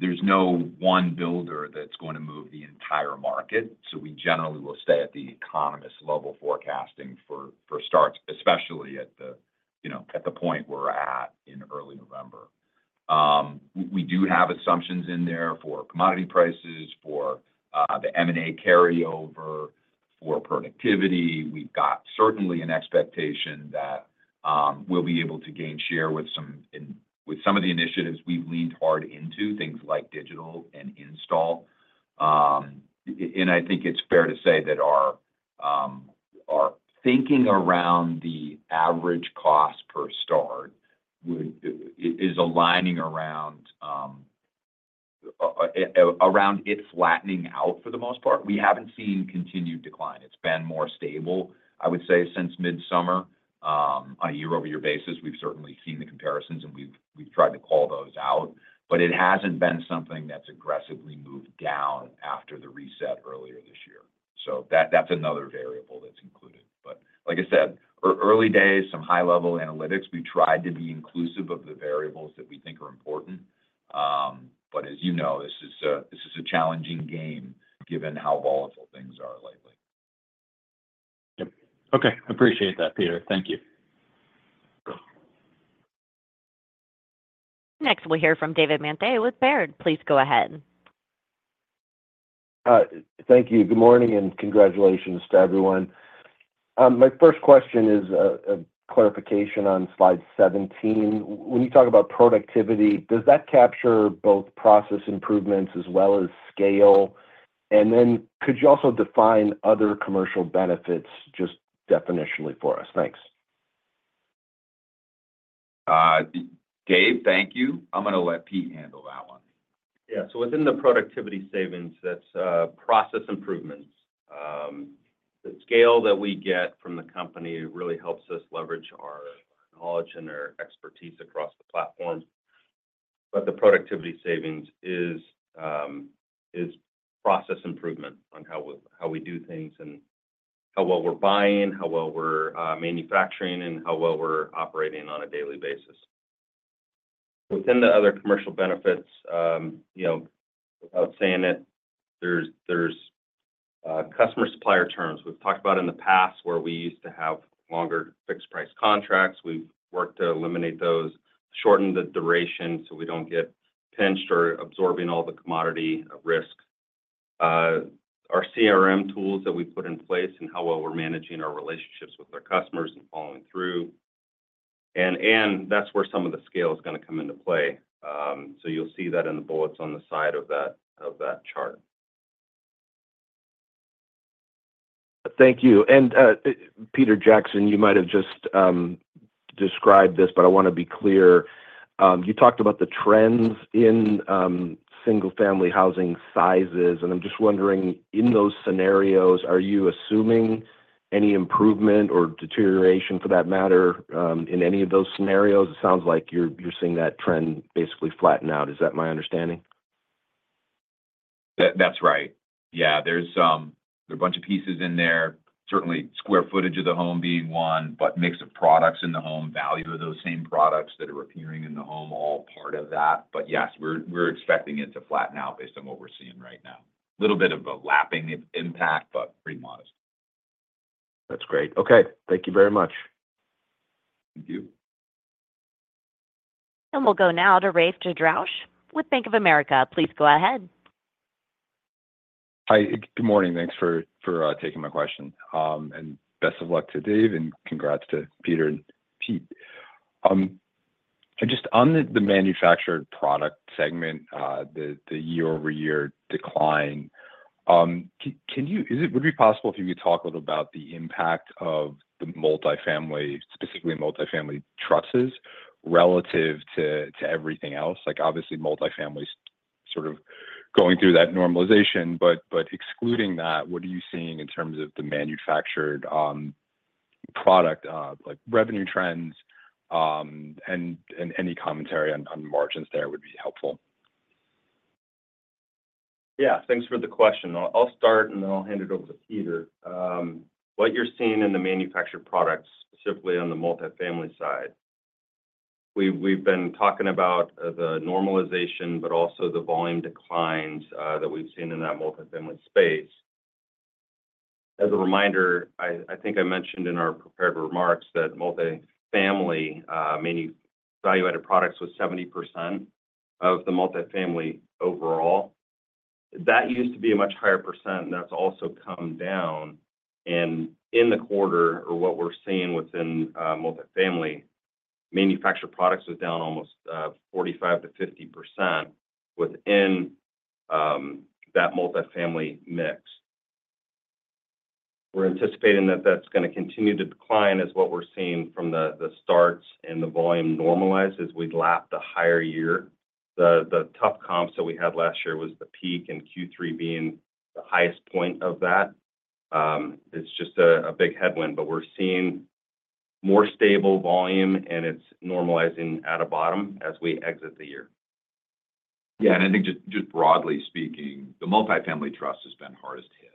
there's no one builder that's going to move the entire market. So we generally will stay at the economist-level forecasting for starts, especially at the point we're at in early November. We do have assumptions in there for commodity prices, for the M&A carryover, for productivity. We've got certainly an expectation that we'll be able to gain share with some of the initiatives we've leaned hard into, things like digital and install. And I think it's fair to say that our thinking around the average cost per start is aligning around it flattening out for the most part. We haven't seen continued decline. It's been more stable, I would say, since mid-summer. On a year-over-year basis, we've certainly seen the comparisons, and we've tried to call those out. But it hasn't been something that's aggressively moved down after the reset earlier this year. So that's another variable that's included. But like I said, early days, some high-level analytics. We've tried to be inclusive of the variables that we think are important. But as you know, this is a challenging game given how volatile things are lately. Yep. Okay. Appreciate that, Peter.Thank you. Next, we'll hear from David Manthey with Baird. Please go ahead. Thank you. Good morning and congratulations to everyone. My first question is a clarification on slide 17. When you talk about productivity, does that capture both process improvements as well as scale? And then could you also define other commercial benefits just definitionally for us? Thanks. Dave, thank you. I'm going to let Pete handle that one. Yeah. Within the productivity savings, that's process improvements. The scale that we get from the company really helps us leverage our knowledge and our expertise across the platform. But the productivity savings is process improvement on how we do things and how well we're buying, how well we're manufacturing, and how well we're operating on a daily basis. Within the other commercial benefits, without saying it, there's customer supplier terms. We've talked about in the past where we used to have longer fixed-price contracts. We've worked to eliminate those, shorten the duration so we don't get pinched or absorbing all the commodity risk. Our CRM tools that we put in place and how well we're managing our relationships with our customers and following through. And that's where some of the scale is going to come into play. So you'll see that in the bullets on the side of that chart. Thank you. And Peter Jackson, you might have just described this, but I want to be clear. You talked about the trends in single-family housing sizes. And I'm just wondering, in those scenarios, are you assuming any improvement or deterioration for that matter in any of those scenarios? It sounds like you're seeing that trend basically flatten out. Is that my understanding? That's right. Yeah. There's a bunch of pieces in there. Certainly, square footage of the home being one, but mix of products in the home, value of those same products that are appearing in the home, all part of that. But yes, we're expecting it to flatten out based on what we're seeing right now. A little bit of a lapping impact, but pretty modest. That's great. Okay. Thank you very much. Thank you. And we'll go now to Rafe Jadrosich with Bank of America. Please go ahead. Hi. Good morning. Thanks for taking my question. And best of luck to Dave and congrats to Pete and Peter. And just on the manufactured product segment, the year-over-year decline, would it be possible if you could talk a little about the impact of the multifamily, specifically multifamily trusses relative to everything else? Obviously, multifamily is sort of going through that normalization. But excluding that, what are you seeing in terms of the manufactured product revenue trends? And any commentary on margins there would be helpful. Yeah. Thanks for the question. I'll start, and then I'll hand it over to Peter. What you're seeing in the manufactured products, specifically on the multifamily side, we've been talking about the normalization, but also the volume declines that we've seen in that multifamily space. As a reminder, I think I mentioned in our prepared remarks that multifamily value-added products was 70% of the multifamily overall. That used to be a much higher percent, and that's also come down, and in the quarter, or what we're seeing within multifamily, manufactured products was down almost 45%-50% within that multifamily mix. We're anticipating that that's going to continue to decline as what we're seeing from the starts and the volume normalize as we lap the higher year. The tough comps that we had last year was the peak and Q3 being the highest point of that. It's just a big headwind, but we're seeing more stable volume, and it's normalizing at a bottom as we exit the year. Yeah, and I think just broadly speaking, the multifamily truss has been hardest hit.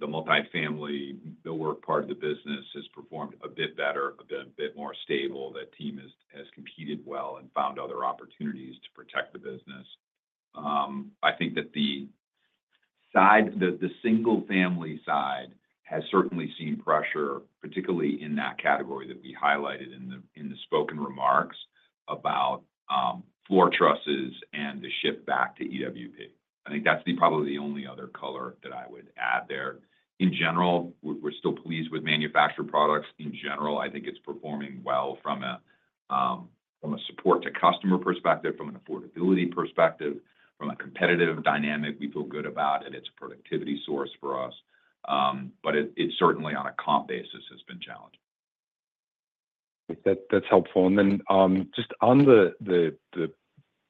The multifamily, the R&R part of the business has performed a bit better, a bit more stable. That team has competed well and found other opportunities to protect the business. I think that the single-family side has certainly seen pressure, particularly in that category that we highlighted in the spoken remarks about floor trusses and the shift back to EWP. I think that's probably the only other color that I would add there. In general, we're still pleased with manufactured products. In general, I think it's performing well from a support-to-customer perspective, from an affordability perspective, from a competitive dynamic we feel good about, and it's a productivity source for us. But it certainly, on a comp basis, has been challenging. That's helpful. And then just on the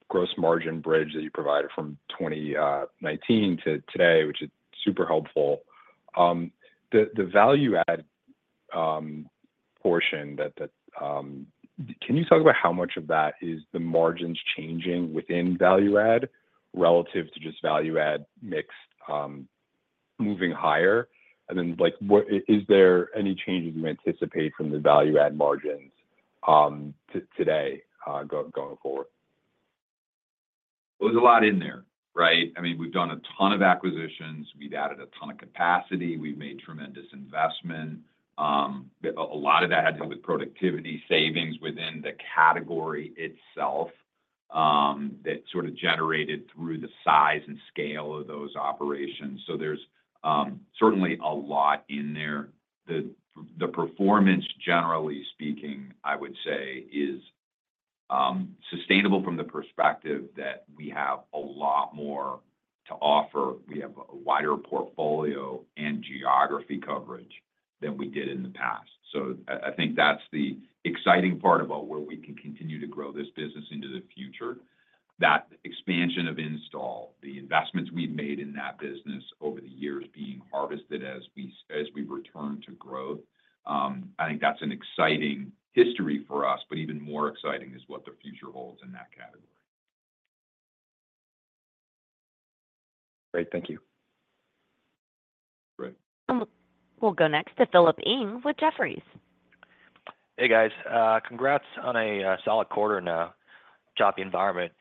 gross margin bridge that you provided from 2019 to today, which is super helpful, the value-add portion, can you talk about how much of that is the margins changing within value-add relative to just value-add mix moving higher? And then is there any changes you anticipate from the value-add margins today going forward? Well, there's a lot in there, right? I mean, we've done a ton of acquisitions. We've added a ton of capacity. We've made tremendous investment. A lot of that had to do with productivity savings within the category itself that sort of generated through the size and scale of those operations. So there's certainly a lot in there. The performance, generally speaking, I would say, is sustainable from the perspective that we have a lot more to offer. We have a wider portfolio and geography coverage than we did in the past. So I think that's the exciting part about where we can continue to grow this business into the future. That expansion of install, the investments we've made in that business over the years being harvested as we've returned to growth, I think that's an exciting history for us. But even more exciting is what the future holds in that category. Great. Thank you. Great. We'll go next to Philip Ng with Jefferies. Hey, guys. Congrats on a solid quarter in a choppy environment.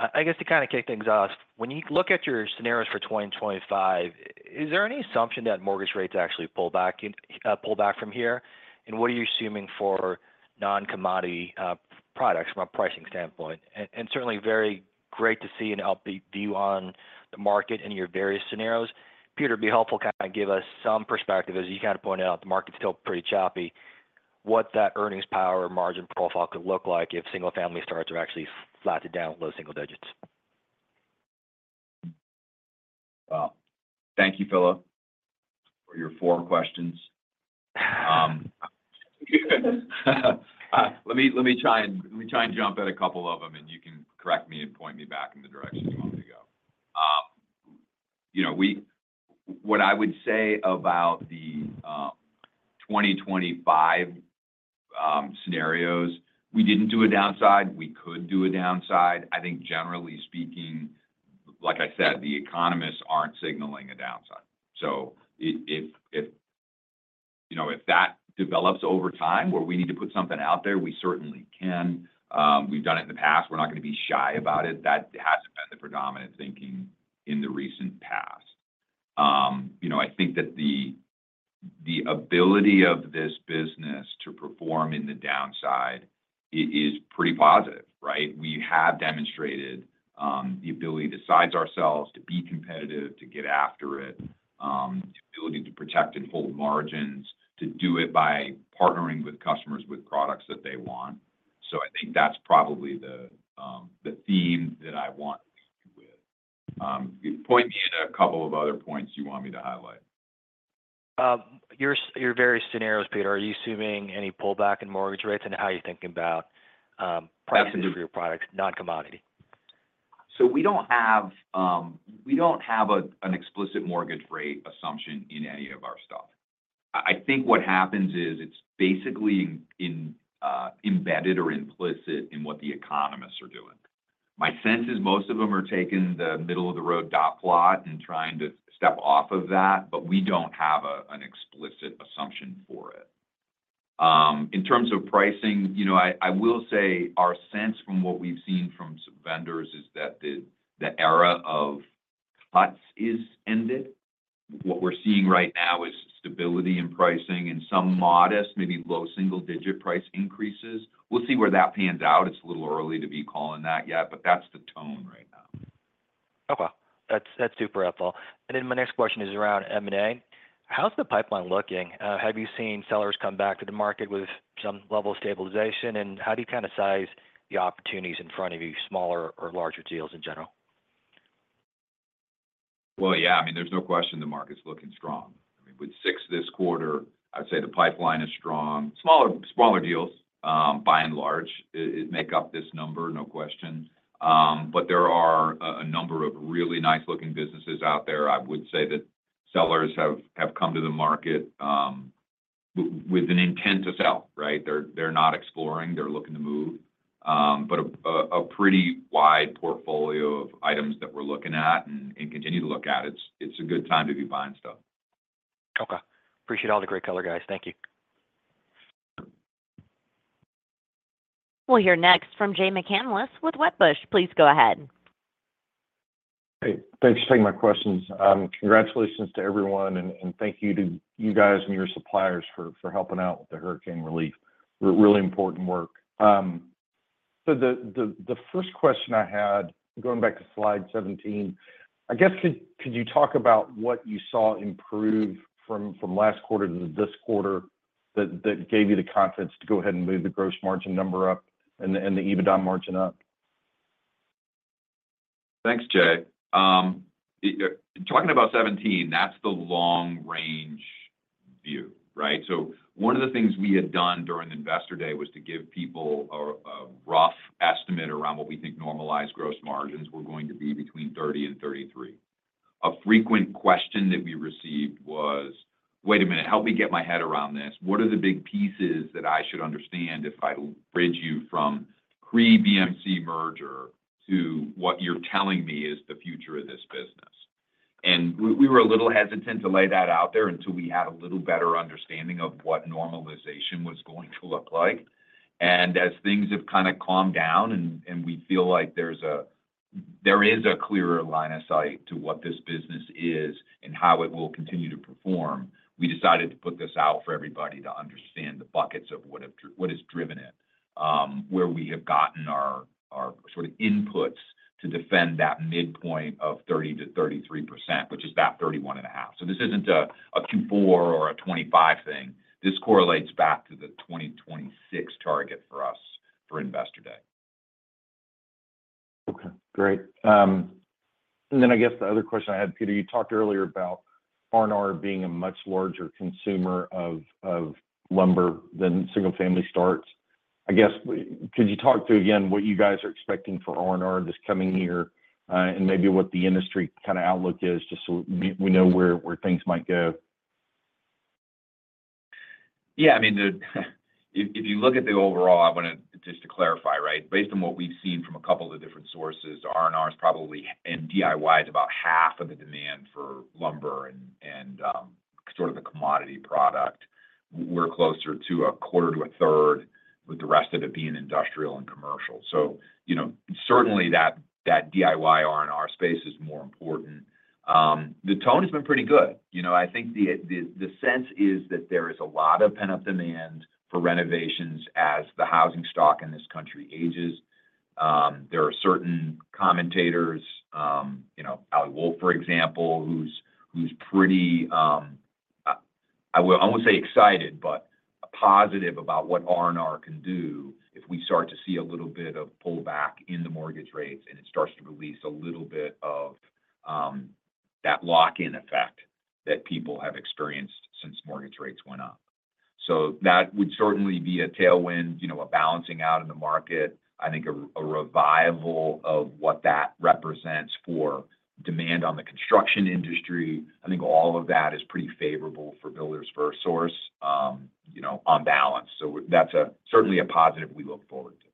I guess to kind of kick things off, when you look at your scenarios for 2025, is there any assumption that mortgage rates actually pull back from here? And what are you assuming for non-commodity products from a pricing standpoint? And certainly, very great to see and helpful view on the market and your various scenarios. Peter, it'd be helpful to kind of give us some perspective as you kind of pointed out, the market's still pretty choppy. What that earnings power or margin profile could look like if single-family starts are actually flattened down below single digits? Wow. Thank you, Philip, for your four questions. Let me try and jump at a couple of them, and you can correct me and point me back in the direction you want me to go. What I would say about the 2025 scenarios, we didn't do a downside. We could do a downside. I think, generally speaking, like I said, the economists aren't signaling a downside. So if that develops over time where we need to put something out there, we certainly can. We've done it in the past. We're not going to be shy about it. That hasn't been the predominant thinking in the recent past. I think that the ability of this business to perform in the downside is pretty positive, right? We have demonstrated the ability to size ourselves, to be competitive, to get after it, the ability to protect and hold margins, to do it by partnering with customers with products that they want. So I think that's probably the theme that I want to be with. Point me at a couple of other points you want me to highlight. Your various scenarios, Peter, are you assuming any pullback in mortgage rates and how you're thinking about pricing for your products, non-commodity? So we don't have an explicit mortgage rate assumption in any of our stuff. I think what happens is it's basically embedded or implicit in what the economists are doing. My sense is most of them are taking the middle-of-the-road dot plot and trying to step off of that, but we don't have an explicit assumption for it. In terms of pricing, I will say our sense from what we've seen from vendors is that the era of cuts is ended. What we're seeing right now is stability in pricing and some modest, maybe low single-digit price increases. We'll see where that pans out. It's a little early to be calling that yet, but that's the tone right now. Okay. That's super helpful. And then my next question is around M&A. How's the pipeline looking? Have you seen sellers come back to the market with some level of stabilization? And how do you kind of size the opportunities in front of you, smaller or larger deals in general? Well, yeah. I mean, there's no question the market's looking strong. I mean, with six this quarter, I'd say the pipeline is strong. Smaller deals, by and large, make up this number, no question. But there are a number of really nice-looking businesses out there. I would say that sellers have come to the market with an intent to sell, right? They're not exploring. They're looking to move. But a pretty wide portfolio of items that we're looking at and continue to look at. It's a good time to be buying stuff. Okay. Appreciate all the great color, guys. Thank you. We'll hear next from Jay McCanless with Wedbush. Please go ahead. Hey. Thanks for taking my questions. Congratulations to everyone and thank you to you guys and your suppliers for helping out with the hurricane relief. Really important work. So the first question I had, going back to slide 17, I guess could you talk about what you saw improve from last quarter to this quarter that gave you the confidence to go ahead and move the gross margin number up and the EBITDA margin up? Thanks, Jay. Talking about 17, that's the long-range view, right? So one of the things we had done during Investor Day was to give people a rough estimate around what we think normalized gross margins were going to be between 30%-33%. A frequent question that we received was, "Wait a minute. Help me get my head around this? What are the big pieces that I should understand if I bridge you from pre-BMC merger to what you're telling me is the future of this business?" and we were a little hesitant to lay that out there until we had a little better understanding of what normalization was going to look like, and as things have kind of calmed down and we feel like there is a clearer line of sight to what this business is and how it will continue to perform, we decided to put this out for everybody to understand the buckets of what has driven it, where we have gotten our sort of inputs to defend that midpoint of 30%-33%, which is that 31.5%. so this isn't a Q4 or a 2025 thing. This correlates back to the 2026 target for us for Investor Day. Okay. Great. And then I guess the other question I had, Peter. You talked earlier about R&R being a much larger consumer of lumber than single-family starts. I guess could you talk to, again, what you guys are expecting for R&R this coming year and maybe what the industry kind of outlook is just so we know where things might go? Yeah. I mean, if you look at the overall, I want to just clarify, right? Based on what we've seen from a couple of different sources, R&R is probably in DIY is about half of the demand for lumber and sort of the commodity product. We're closer to a quarter to a third with the rest of it being industrial and commercial. So certainly, that DIY R&R space is more important. The tone has been pretty good. I think the sense is that there is a lot of pent-up demand for renovations as the housing stock in this country ages. There are certain commentators, Ali Wolf, for example, who's pretty, I would almost say excited, but positive about what R&R can do if we start to see a little bit of pullback in the mortgage rates and it starts to release a little bit of that lock-in effect that people have experienced since mortgage rates went up. So that would certainly be a tailwind, a balancing out in the market. I think a revival of what that represents for demand on the construction industry. I think all of that is pretty favorable for Builders FirstSource on balance. So that's certainly a positive we look forward to.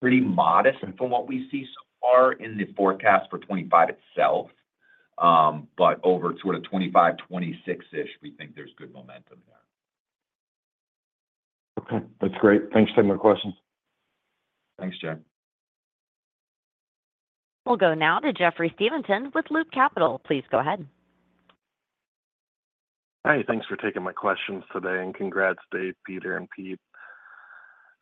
Pretty modest from what we see so far in the forecast for '25 itself. But over sort of 2025, 2026-ish, we think there's good momentum there. Okay. That's great. Thanks for taking my questions. Thanks, Jay. We'll go now to Jeffrey Stevenson with Loop Capital. Please go ahead. Hey. Thanks for taking my questions today. And congrats, Dave, Peter, and Pete.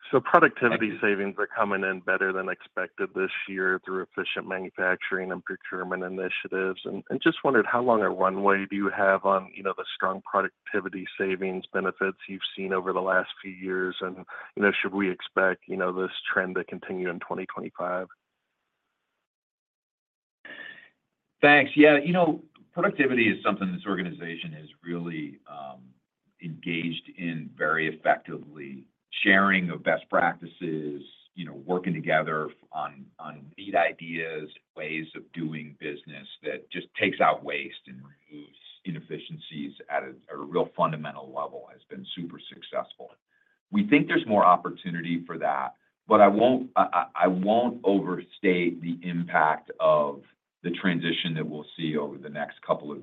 So productivity savings are coming in better than expected this year through efficient manufacturing and procurement initiatives. And just wondered, how long a runway do you have on the strong productivity savings benefits you've seen over the last few years? And should we expect this trend to continue in 2025? Thanks. Yeah. Productivity is something this organization is really engaged in very effectively, sharing of best practices, working together on neat ideas, ways of doing business that just takes out waste and removes inefficiencies at a real fundamental level has been super successful. We think there's more opportunity for that. But I won't overstate the impact of the transition that we'll see over the next couple of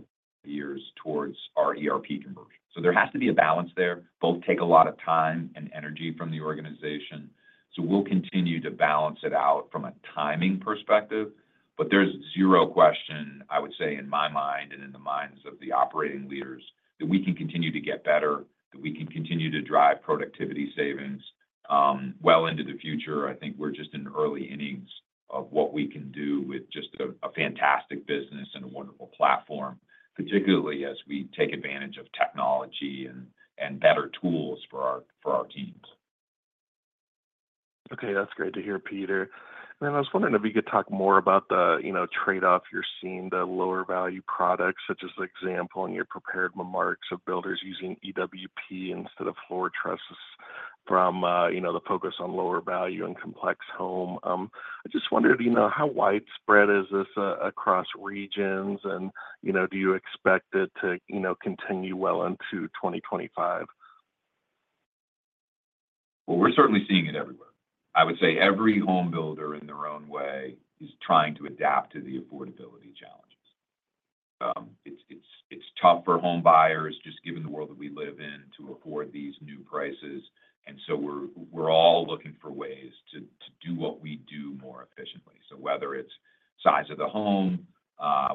years towards our ERP conversion. So there has to be a balance there. Both take a lot of time and energy from the organization. So we'll continue to balance it out from a timing perspective. But there's zero question, I would say, in my mind and in the minds of the operating leaders that we can continue to get better, that we can continue to drive productivity savings well into the future. I think we're just in the early innings of what we can do with just a fantastic business and a wonderful platform, particularly as we take advantage of technology and better tools for our teams. Okay. That's great to hear, Peter. And then I was wondering if you could talk more about the trade-off you're seeing, the lower-value products, such as an example, and your prepared remarks of builders using EWP instead of floor trusses from the focus on lower value and complex home. I just wondered, how widespread is this across regions? And do you expect it to continue well into 2025? Well, we're certainly seeing it everywhere. I would say every home builder in their own way is trying to adapt to the affordability challenges. It's tough for home buyers, just given the world that we live in, to afford these new prices. And so we're all looking for ways to do what we do more efficiently. So whether it's size of the home,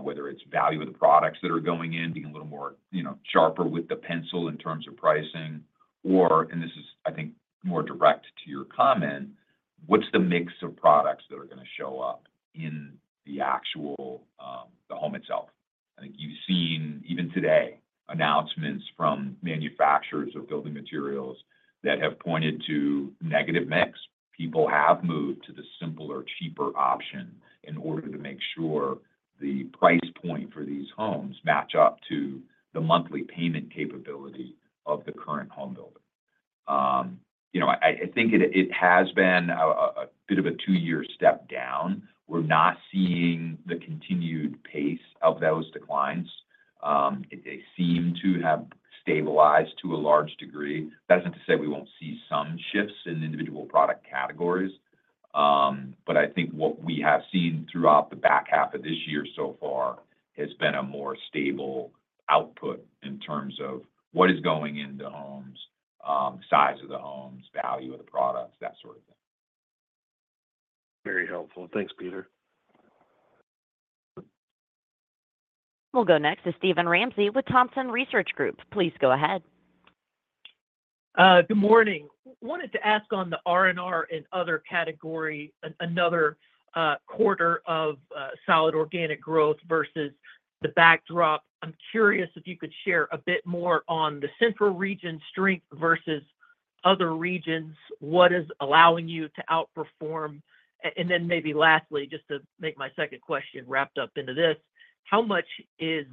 whether it's value of the products that are going in, being a little more sharper with the pencil in terms of pricing, or—and this is, I think, more direct to your comment—what's the mix of products that are going to show up in the actual home itself? I think you've seen, even today, announcements from manufacturers of building materials that have pointed to negative mix. People have moved to the simpler, cheaper option in order to make sure the price point for these homes matches up to the monthly payment capability of the current homebuyer. I think it has been a bit of a two-year step down. We're not seeing the continued pace of those declines. They seem to have stabilized to a large degree. That isn't to say we won't see some shifts in individual product categories. But I think what we have seen throughout the back half of this year so far has been a more stable output in terms of what is going into homes, size of the homes, value of the products, that sort of thing. Very helpful. Thanks, Peter. We'll go next to Steven Ramsey with Thompson Research Group. Please go ahead. Good morning. Wanted to ask on the R&R and other category, another quarter of solid organic growth versus the backdrop. I'm curious if you could share a bit more on the central region strength versus other regions, what is allowing you to outperform? And then maybe lastly, just to make my second question wrapped up into this, how much is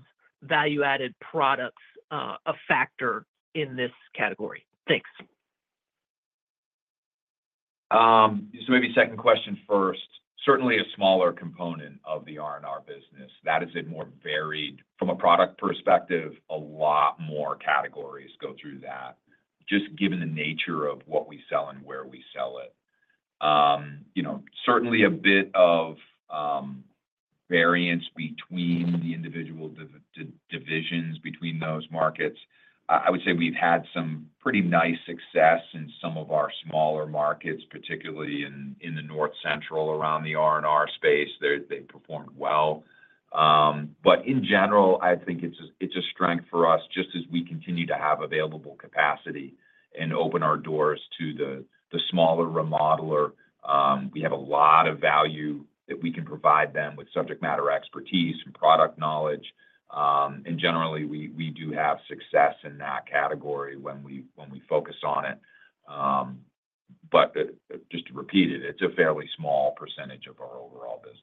value-added products a factor in this category? Thanks. So maybe second question first. Certainly, a smaller component of the R&R business. That is a more varied, from a product perspective, a lot more categories go through that, just given the nature of what we sell and where we sell it. Certainly, a bit of variance between the individual divisions between those markets. I would say we've had some pretty nice success in some of our smaller markets, particularly in the north-central around the R&R space. They performed well. But in general, I think it's a strength for us just as we continue to have available capacity and open our doors to the smaller remodeler. We have a lot of value that we can provide them with subject matter expertise and product knowledge. And generally, we do have success in that category when we focus on it. But just to repeat it, it's a fairly small percentage of our overall business.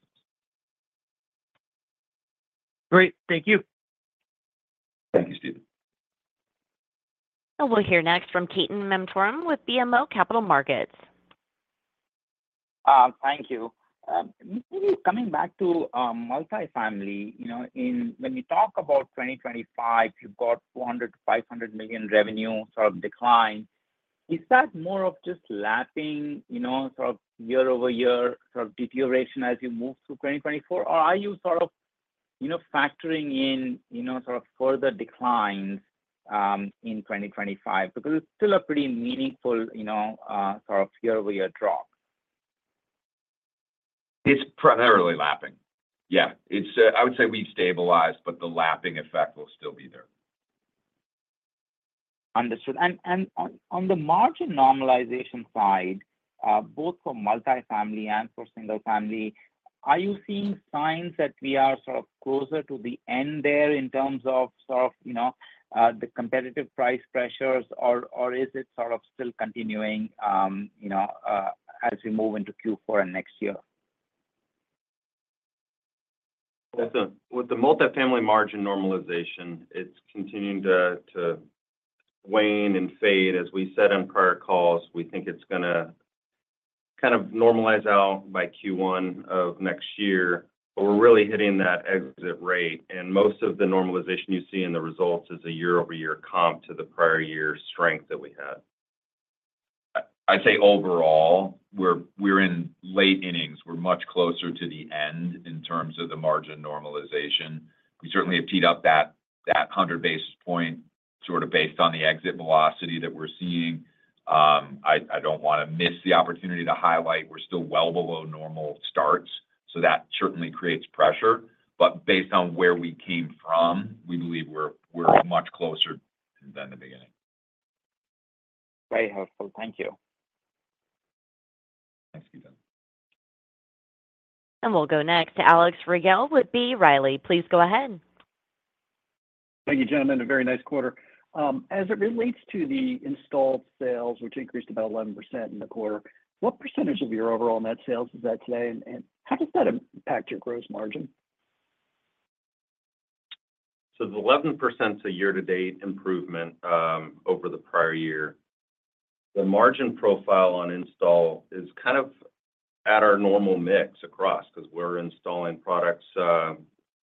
Great. Thank you. Thank you, Steve. And we'll hear next from Ketan Mamtora with BMO Capital Markets. Thank you. Maybe coming back to multifamily, when we talk about 2025, you've got $400 million-$500 million revenue sort of decline. Is that more of just lapping sort of year-over-year sort of deterioration as you move through 2024? Or are you sort of factoring in sort of further declines in 2025? Because it's still a pretty meaningful sort of year-over-year drop. It's primarily lapping. Yeah. I would say we've stabilized, but the lapping effect will still be there. Understood. And on the margin normalization side, both for multifamily and for single family, are you seeing signs that we are sort of closer to the end there in terms of sort of the competitive price pressures, or is it sort of still continuing as we move into Q4 and next year? With the multifamily margin normalization, it's continuing to wane and fade. As we said on prior calls, we think it's going to kind of normalize out by Q1 of next year. But we're really hitting that exit rate. And most of the normalization you see in the results is a year-over-year comp to the prior year strength that we had. I'd say overall, we're in late innings. We're much closer to the end in terms of the margin normalization. We certainly have teed up that 100 basis point sort of based on the exit velocity that we're seeing. I don't want to miss the opportunity to highlight we're still well below normal starts. So that certainly creates pressure. But based on where we came from, we believe we're much closer than the beginning. Very helpful. Thank you. Thanks, Ketan. And we'll go next to Alex Rygiel with B. Riley.Please go ahead. Thank you, gentlemen. A very nice quarter. As it relates to the installed sales, which increased about 11% in the quarter, what percentage of your overall net sales is that today? And how does that impact your gross margin? So the 11% is a year-to-date improvement over the prior year. The margin profile on install is kind of at our normal mix across because we're installing products: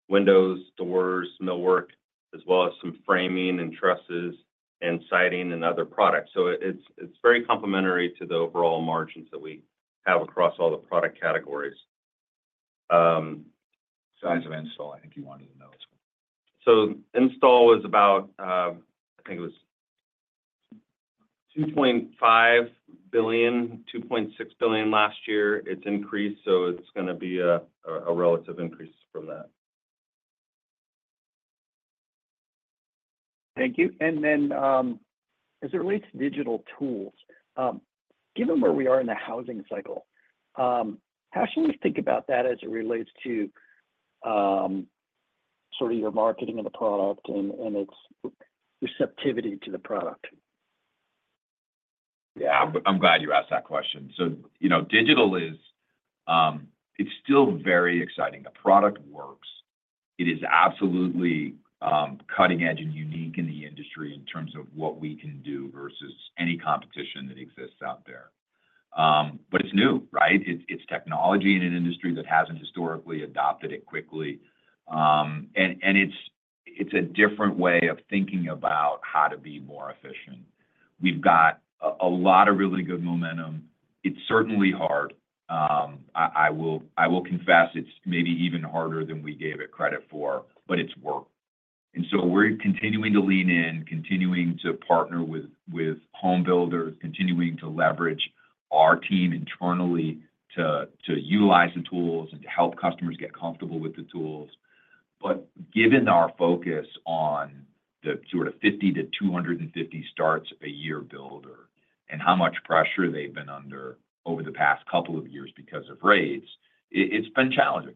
windows, doors, millwork, as well as some framing and trusses and siding and other products. So it's very complementary to the overall margins that we have across all the product categories. Size of install, I think you wanted to know as well. So install was about, I think it was $2.5 billion-$2.6 billion last year. It's increased. So it's going to be a relative increase from that. Thank you. And then as it relates to digital tools, given where we are in the housing cycle, how should we think about that as it relates to sort of your marketing of the product and its receptivity to the product? Yeah. I'm glad you asked that question. So digital is still very exciting. The product works. It is absolutely cutting-edge and unique in the industry in terms of what we can do versus any competition that exists out there. But it's new, right? It's technology in an industry that hasn't historically adopted it quickly. And it's a different way of thinking about how to be more efficient. We've got a lot of really good momentum. It's certainly hard. I will confess it's maybe even harder than we gave it credit for, but it's work. We're continuing to lean in, continuing to partner with home builders, continuing to leverage our team internally to utilize the tools and to help customers get comfortable with the tools. But given our focus on the sort of 50-250 starts a year builder and how much pressure they've been under over the past couple of years because of rates, it's been challenging.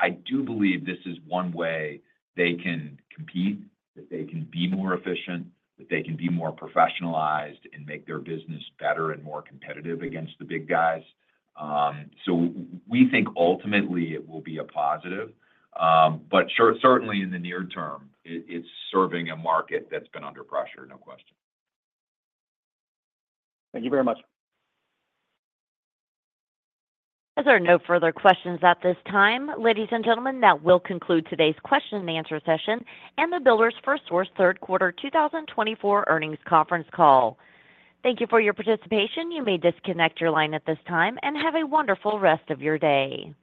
I do believe this is one way they can compete, that they can be more efficient, that they can be more professionalized and make their business better and more competitive against the big guys. We think ultimately it will be a positive. But certainly in the near term, it's serving a market that's been under pressure, no question. Thank you very much. Those are no further questions at this time. Ladies and gentlemen, that will conclude today's question-and-answer session and the Builders FirstSource third quarter 2024 earnings conference call. Thank you for your participation. You may disconnect your line at this time and have a wonderful rest of your day.